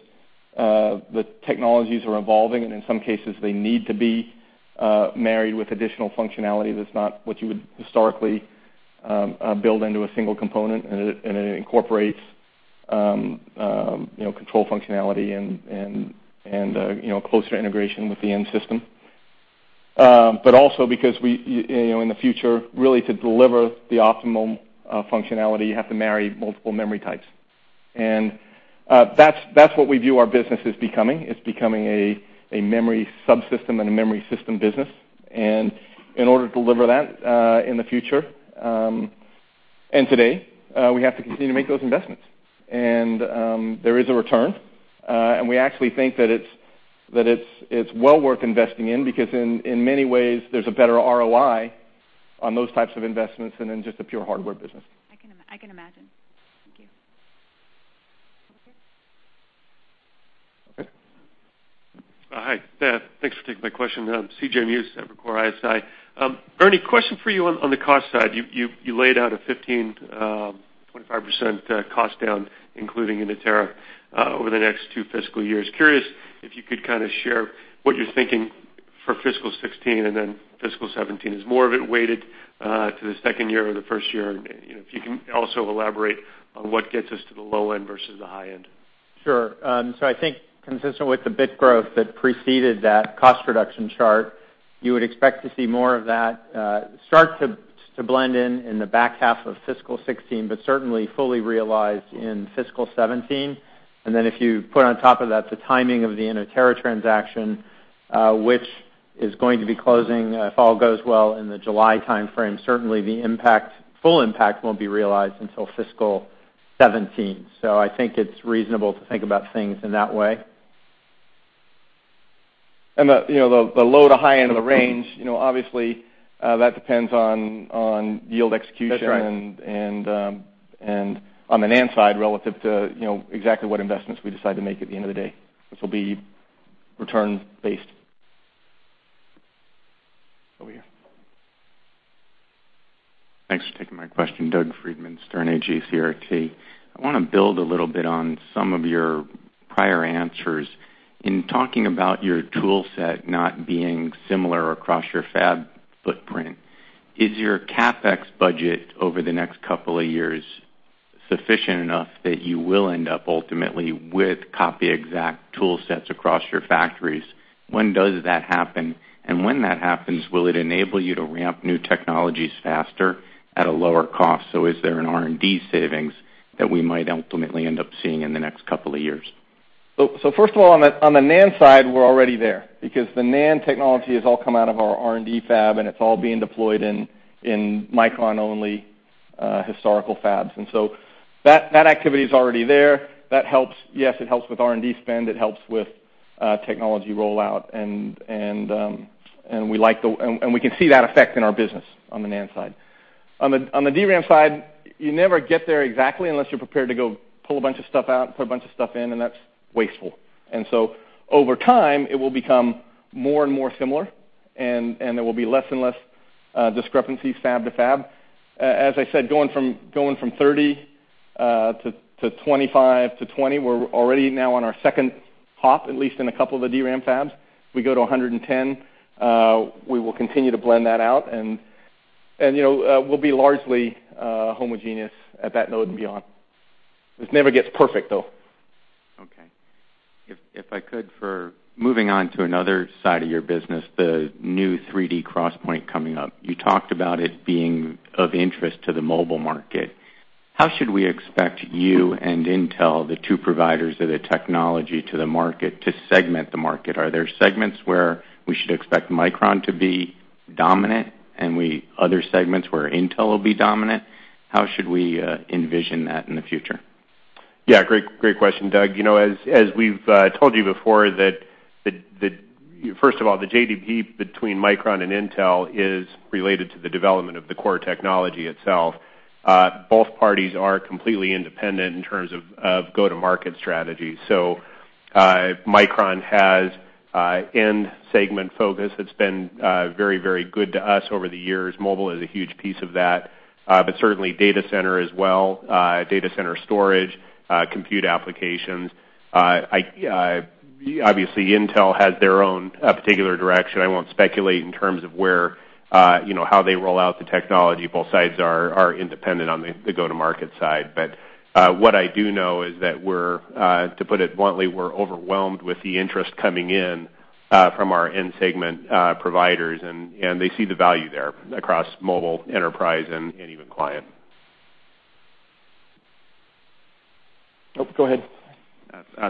the technologies are evolving, and in some cases, they need to be married with additional functionality that's not what you would historically build into a single component, it incorporates control functionality and closer integration with the end system. Also because in the future, really to deliver the optimal functionality, you have to marry multiple memory types. That's what we view our business is becoming. It's becoming a memory subsystem and a memory system business. In order to deliver that in the future, and today, we have to continue to make those investments. There is a return, and we actually think that it's well worth investing in because in many ways, there's a better ROI on those types of investments than in just a pure hardware business. I can imagine. Thank you. Over here. Hi. Thanks for taking my question. I'm C.J. Muse, Evercore ISI. Ernie, question for you on the cost side. You laid out a 15%-25% cost down, including in Inotera over the next two fiscal years. Curious if you could share what you're thinking for fiscal 2016 and then fiscal 2017. Is more of it weighted to the second year or the first year? If you can also elaborate on what gets us to the low end versus the high end. Sure. I think consistent with the bit growth that preceded that cost reduction chart, you would expect to see more of that start to blend in the back half of fiscal 2016, but certainly fully realized in fiscal 2017. If you put on top of that the timing of the Inotera transaction, which is going to be closing, if all goes well, in the July timeframe, certainly the full impact won't be realized until fiscal 2017. I think it's reasonable to think about things in that way. The low to high end of the range, obviously, that depends on yield execution. That's right. On the NAND side, relative to exactly what investments we decide to make at the end of the day. This will be return based. Over here. Thanks for taking my question. Doug Freedman, Sterne Agee CRT. I want to build a little bit on some of your prior answers. In talking about your tool set not being similar across your fab footprint, is your CapEx budget over the next couple of years sufficient enough that you will end up ultimately with copy-exact tool sets across your factories? When does that happen? When that happens, will it enable you to ramp new technologies faster at a lower cost? Is there an R&D savings that we might ultimately end up seeing in the next couple of years? First of all, on the NAND side, we're already there because the NAND technology has all come out of our R&D fab, and it's all being deployed in Micron-only historical fabs. That activity is already there. Yes, it helps with R&D spend. It helps with technology rollout, and we can see that effect in our business on the NAND side. On the DRAM side, you never get there exactly unless you're prepared to go pull a bunch of stuff out and put a bunch of stuff in, and that's wasteful. Over time, it will become more and more similar, and there will be less and less discrepancy fab to fab. As I said, going from 30 to 25 to 20, we're already now on our second hop, at least in a couple of the DRAM fabs. We go to 110, we will continue to blend that out, and we'll be largely homogeneous at that node and beyond. This never gets perfect, though. Okay. If I could, for moving on to another side of your business, the new 3D XPoint coming up. You talked about it being of interest to the mobile market. How should we expect you and Intel, the two providers of the technology to the market, to segment the market? Are there segments where we should expect Micron to be dominant and other segments where Intel will be dominant? How should we envision that in the future? Yeah, great question, Doug. As we've told you before that, first of all, the JDP between Micron and Intel is related to the development of the core technology itself. Both parties are completely independent in terms of go-to-market strategy. Micron has end segment focus. It's been very, very good to us over the years. Mobile is a huge piece of that. Certainly data center as well, data center storage, compute applications. Obviously Intel has their own particular direction. I won't speculate in terms of how they roll out the technology. Both sides are independent on the go-to-market side. What I do know is that, to put it bluntly, we're overwhelmed with the interest coming in From our end segment providers, they see the value there across mobile, enterprise, and even client. Oh, go ahead.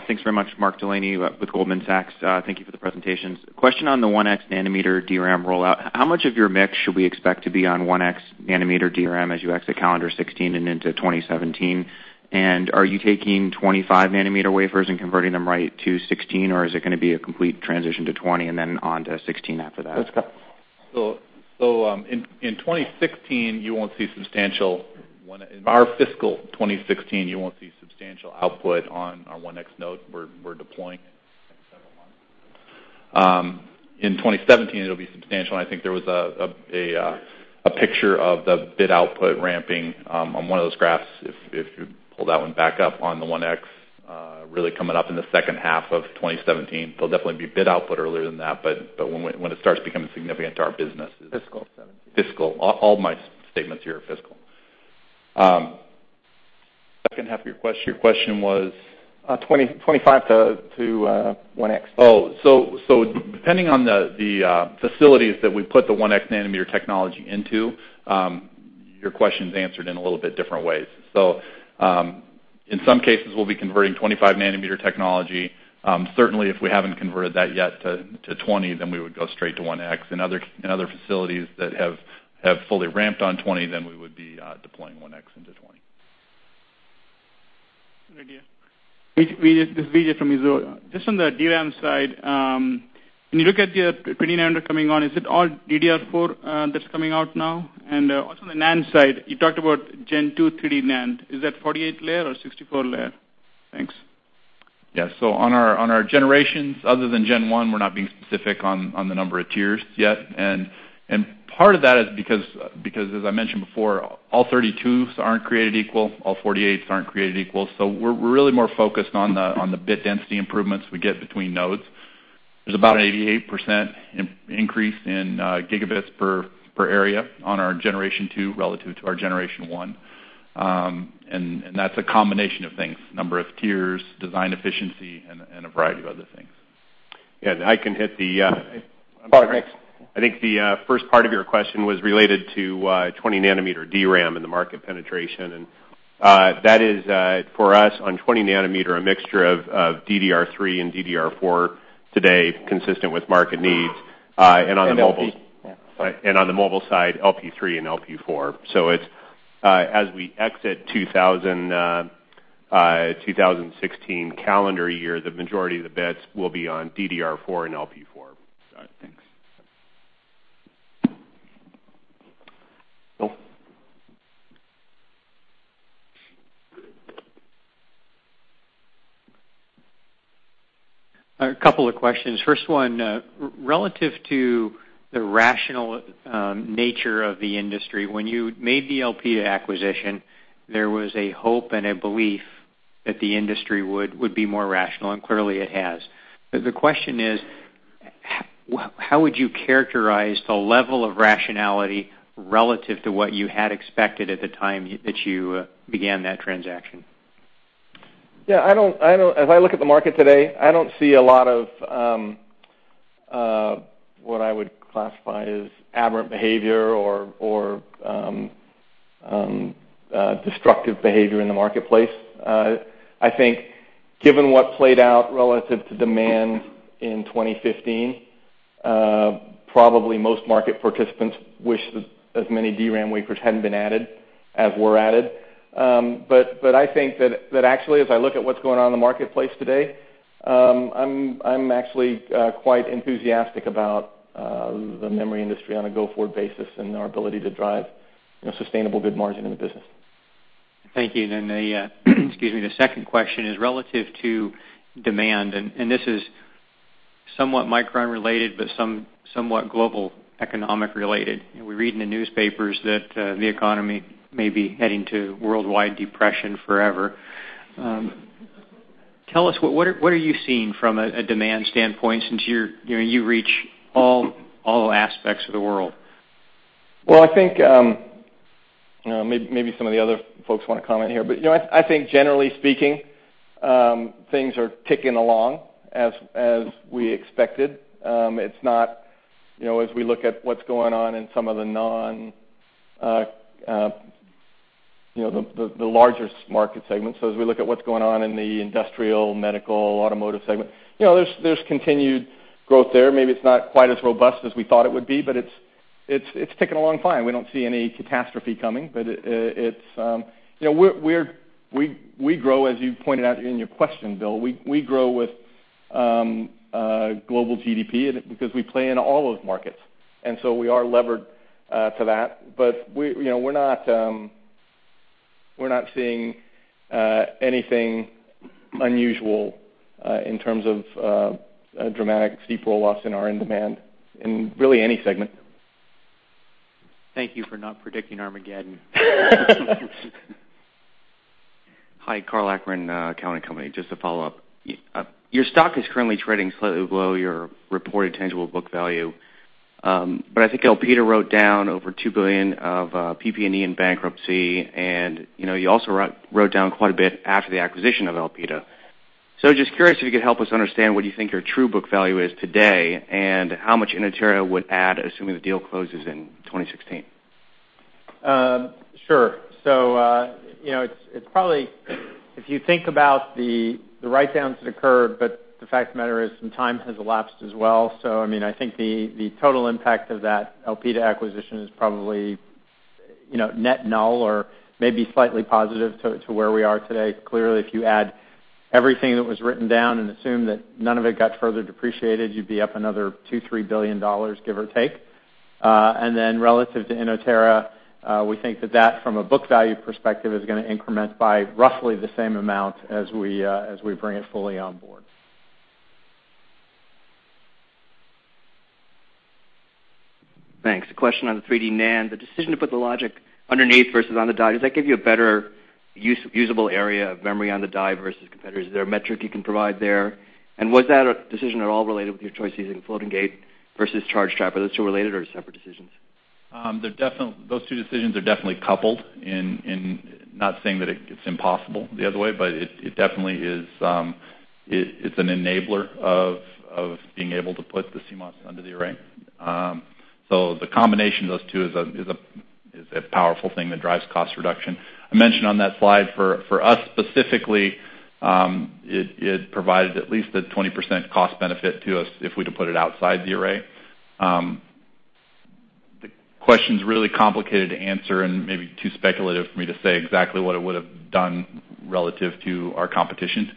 Thanks very much. Mark Delaney with Goldman Sachs. Thank you for the presentations. Question on the 1X nanometer DRAM rollout. How much of your mix should we expect to be on 1X nanometer DRAM as you exit calendar 2016 and into 2017? Are you taking 25-nanometer wafers and converting them right to 16, or is it going to be a complete transition to 20 and then on to 16 after that? In our fiscal 2016, you won't see substantial output on our 1X node we're deploying in several months. In 2017, it'll be substantial, and I think there was a picture of the bit output ramping on one of those graphs, if you pull that one back up on the 1X, really coming up in the second half of 2017. There'll definitely be bit output earlier than that, but when it starts becoming significant to our business is. Fiscal 2017. Fiscal. All my statements here are fiscal. Second half of your question was? 25 to 1X. Depending on the facilities that we put the 1X nanometer technology into, your question's answered in a little bit different ways. In some cases, we'll be converting 25-nanometer technology. Certainly, if we haven't converted that yet to 20-nanometer, then we would go straight to 1X. In other facilities that have fully ramped on 20-nanometer, then we would be deploying 1X into 20-nanometer. Vijay. Vijay. This is Vijay from Mizuho. Just on the DRAM side, when you look at your 20 nanometer coming on, is it all DDR4 that's coming out now? Also on the NAND side, you talked about gen 2 3D NAND. Is that 48 layer or 64 layer? Thanks. On our generations other than gen 1, we're not being specific on the number of tiers yet. Part of that is because, as I mentioned before, all 32s aren't created equal, all 48s aren't created equal, so we're really more focused on the bit density improvements we get between nodes. There's about an 88% increase in gigabits per area on our generation 2 relative to our generation 1. That's a combination of things, number of tiers, design efficiency, and a variety of other things. I can hit the. Thanks. I think the first part of your question was related to 20 nanometer DRAM and the market penetration. That is, for us, on 20 nanometer, a mixture of DDR3 and DDR4 today, consistent with market needs, and on the mobile- Elpida. Yeah. Sorry. On the mobile side, LP3 and LP4. As we exit 2016 calendar year, the majority of the bits will be on DDR4 and LP4. All right. Thanks. Bill? A couple of questions. First one, relative to the rational nature of the industry, when you made the Elpida acquisition, there was a hope and a belief that the industry would be more rational, and clearly it has. The question is, how would you characterize the level of rationality relative to what you had expected at the time that you began that transaction? Yeah. As I look at the market today, I don't see a lot of what I would classify as aberrant behavior or destructive behavior in the marketplace. I think given what played out relative to demand in 2015, probably most market participants wish that as many DRAM wafers hadn't been added as were added. I think that actually, as I look at what's going on in the marketplace today, I'm actually quite enthusiastic about the memory industry on a go-forward basis and our ability to drive sustainable good margin in the business. Thank you. The second question is relative to demand, and this is somewhat Micron-related, but somewhat global economic-related. We read in the newspapers that the economy may be heading to worldwide depression forever. Tell us, what are you seeing from a demand standpoint since you reach all aspects of the world? Well, I think maybe some of the other folks want to comment here. I think generally speaking, things are ticking along as we expected. As we look at what's going on in some of the larger market segments, as we look at what's going on in the industrial, medical, automotive segment, there's continued growth there. Maybe it's not quite as robust as we thought it would be, but it's ticking along fine. We don't see any catastrophe coming. We grow, as you pointed out in your question, Bill, we grow with global GDP because we play in all those markets. We are levered to that. We're not seeing anything unusual in terms of dramatic, steep roll-offs in our end demand in really any segment. Thank you for not predicting Armageddon. Hi. Karl Ackerman, Cowen and Company. Just to follow up. Your stock is currently trading slightly below your reported tangible book value. I think Elpida wrote down over $2 billion of PP&E in bankruptcy, and you also wrote down quite a bit after the acquisition of Elpida. Just curious if you could help us understand what you think your true book value is today, and how much Inotera would add, assuming the deal closes in 2016. Sure. If you think about the write-downs that occurred, but the fact of the matter is some time has elapsed as well. I think the total impact of that Elpida acquisition is probably net null or maybe slightly positive to where we are today. Clearly, if you add everything that was written down and assume that none of it got further depreciated, you'd be up another $2 or $3 billion, give or take. Relative to Inotera, we think that that, from a book value perspective, is going to increment by roughly the same amount as we bring it fully on board. Thanks. A question on the 3D NAND. The decision to put the logic underneath versus on the die, does that give you a better usable area of memory on the die versus competitors? Is there a metric you can provide there? Was that a decision at all related with your choice using floating gate versus charge trap? Are those two related or separate decisions? Those two decisions are definitely coupled in not saying that it's impossible the other way, but it definitely is an enabler of being able to put the CMOS under the array. The combination of those two is a powerful thing that drives cost reduction. I mentioned on that slide, for us specifically, it provided at least a 20% cost benefit to us if we'd have put it outside the array. The question's really complicated to answer and maybe too speculative for me to say exactly what it would've done relative to our competition,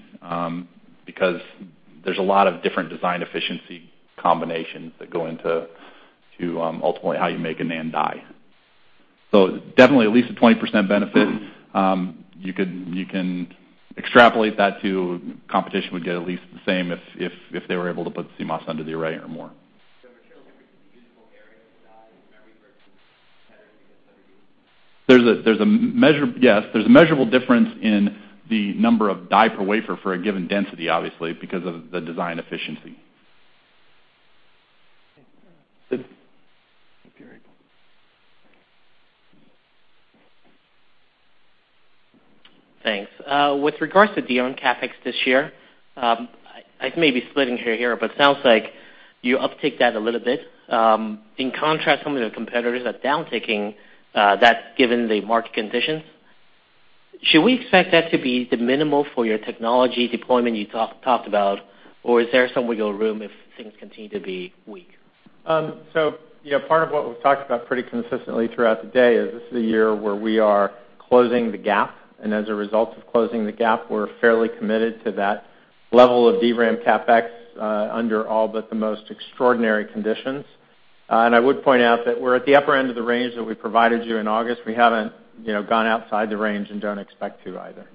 because there's a lot of different design efficiency combinations that go into ultimately how you make a NAND die. Definitely at least a 20% benefit. You can extrapolate that to competition would get at least the same if they were able to put the CMOS under the array or more. For sure, a difference in the usable area of the die of memory versus competitors. Yes. There's a measurable difference in the number of die per wafer for a given density, obviously, because of the design efficiency. Sid, if you're able. Thanks. With regards to your own CapEx this year, I may be splitting hairs here, but sounds like you uptake that a little bit. In contrast, some of your competitors are downtaking that given the market conditions. Should we expect that to be the minimal for your technology deployment you talked about, or is there some wiggle room if things continue to be weak? Part of what we've talked about pretty consistently throughout the day is this is a year where we are closing the gap, and as a result of closing the gap, we're fairly committed to that level of DRAM CapEx under all but the most extraordinary conditions. I would point out that we're at the upper end of the range that we provided you in August. We haven't gone outside the range and don't expect to either.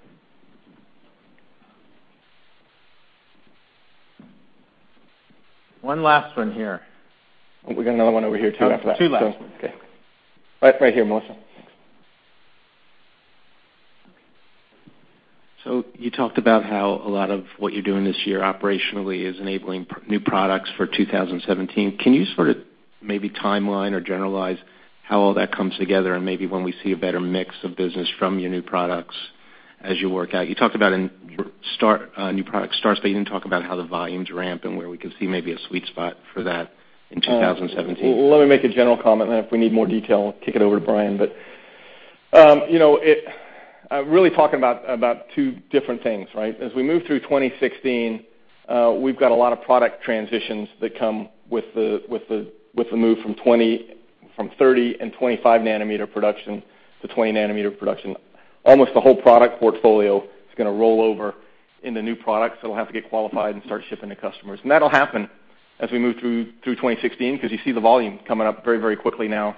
One last one here. We've got another one over here too after that. Two last ones. Okay. Right here, Melissa. Thanks. You talked about how a lot of what you're doing this year operationally is enabling new products for 2017. Can you sort of maybe timeline or generalize how all that comes together and maybe when we see a better mix of business from your new products as you work out? You talked about new product starts, but you didn't talk about how the volumes ramp and where we could see maybe a sweet spot for that in 2017. Let me make a general comment, and if we need more detail, I'll kick it over to Brian. Really talking about two different things, right? As we move through 2016, we've got a lot of product transitions that come with the move from 30 and 25 nanometer production to 20 nanometer production. Almost the whole product portfolio is going to roll over into new products, so it'll have to get qualified and start shipping to customers. That'll happen as we move through 2016, because you see the volume coming up very quickly now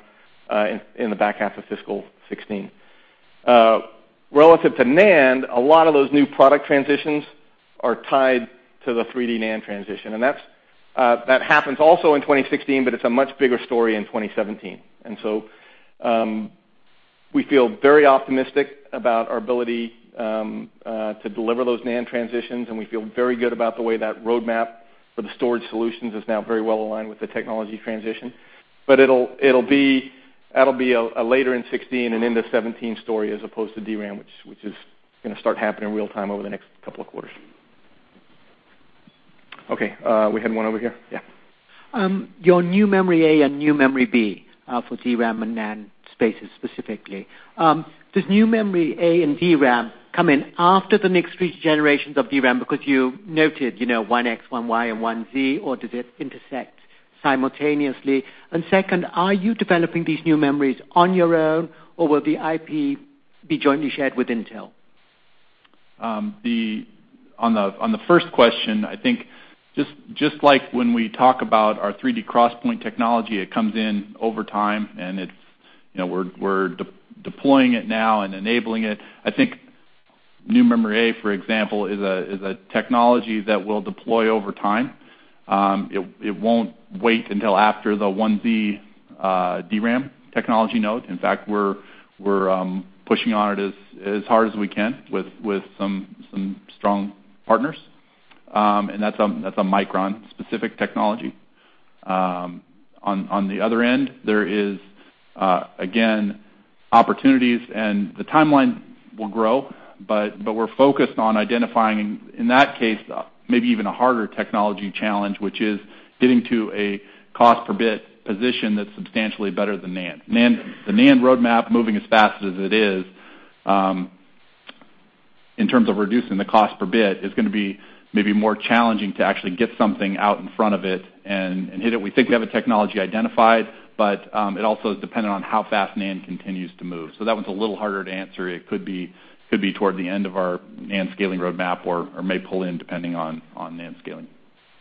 in the back half of fiscal 2016. Relative to NAND, a lot of those new product transitions are tied to the 3D NAND transition. That happens also in 2016, but it's a much bigger story in 2017. We feel very optimistic about our ability to deliver those NAND transitions, and we feel very good about the way that roadmap for the storage solutions is now very well aligned with the technology transition. That'll be a later in 2016 and into 2017 story as opposed to DRAM, which is going to start happening in real time over the next couple of quarters. Okay, we had one over here? Yeah. Your New Memory A and New Memory B for DRAM and NAND spaces specifically. Does New Memory A and DRAM come in after the next three generations of DRAM because you noted 1X, 1Y, and 1Z, or does it intersect simultaneously? Second, are you developing these new memories on your own, or will the IP be jointly shared with Intel? On the first question, I think just like when we talk about our 3D XPoint technology, it comes in over time, and we're deploying it now and enabling it. I think New Memory A, for example, is a technology that we'll deploy over time. It won't wait until after the 1Z DRAM technology node. In fact, we're pushing on it as hard as we can with some strong partners. That's a Micron-specific technology. On the other end, there is, again, opportunities and the timeline will grow, but we're focused on identifying, in that case, maybe even a harder technology challenge, which is getting to a cost per bit position that's substantially better than NAND. The NAND roadmap moving as fast as it is, in terms of reducing the cost per bit, is going to be maybe more challenging to actually get something out in front of it and hit it. We think we have a technology identified, but it also is dependent on how fast NAND continues to move. That one's a little harder to answer. It could be toward the end of our NAND scaling roadmap, or may pull in depending on NAND scaling.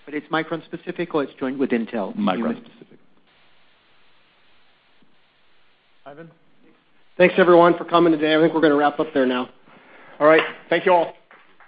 It's Micron specific, or it's joint with Intel? Micron specific. Ivan? Thanks, everyone, for coming today. I think we're going to wrap up there now. All right. Thank you all.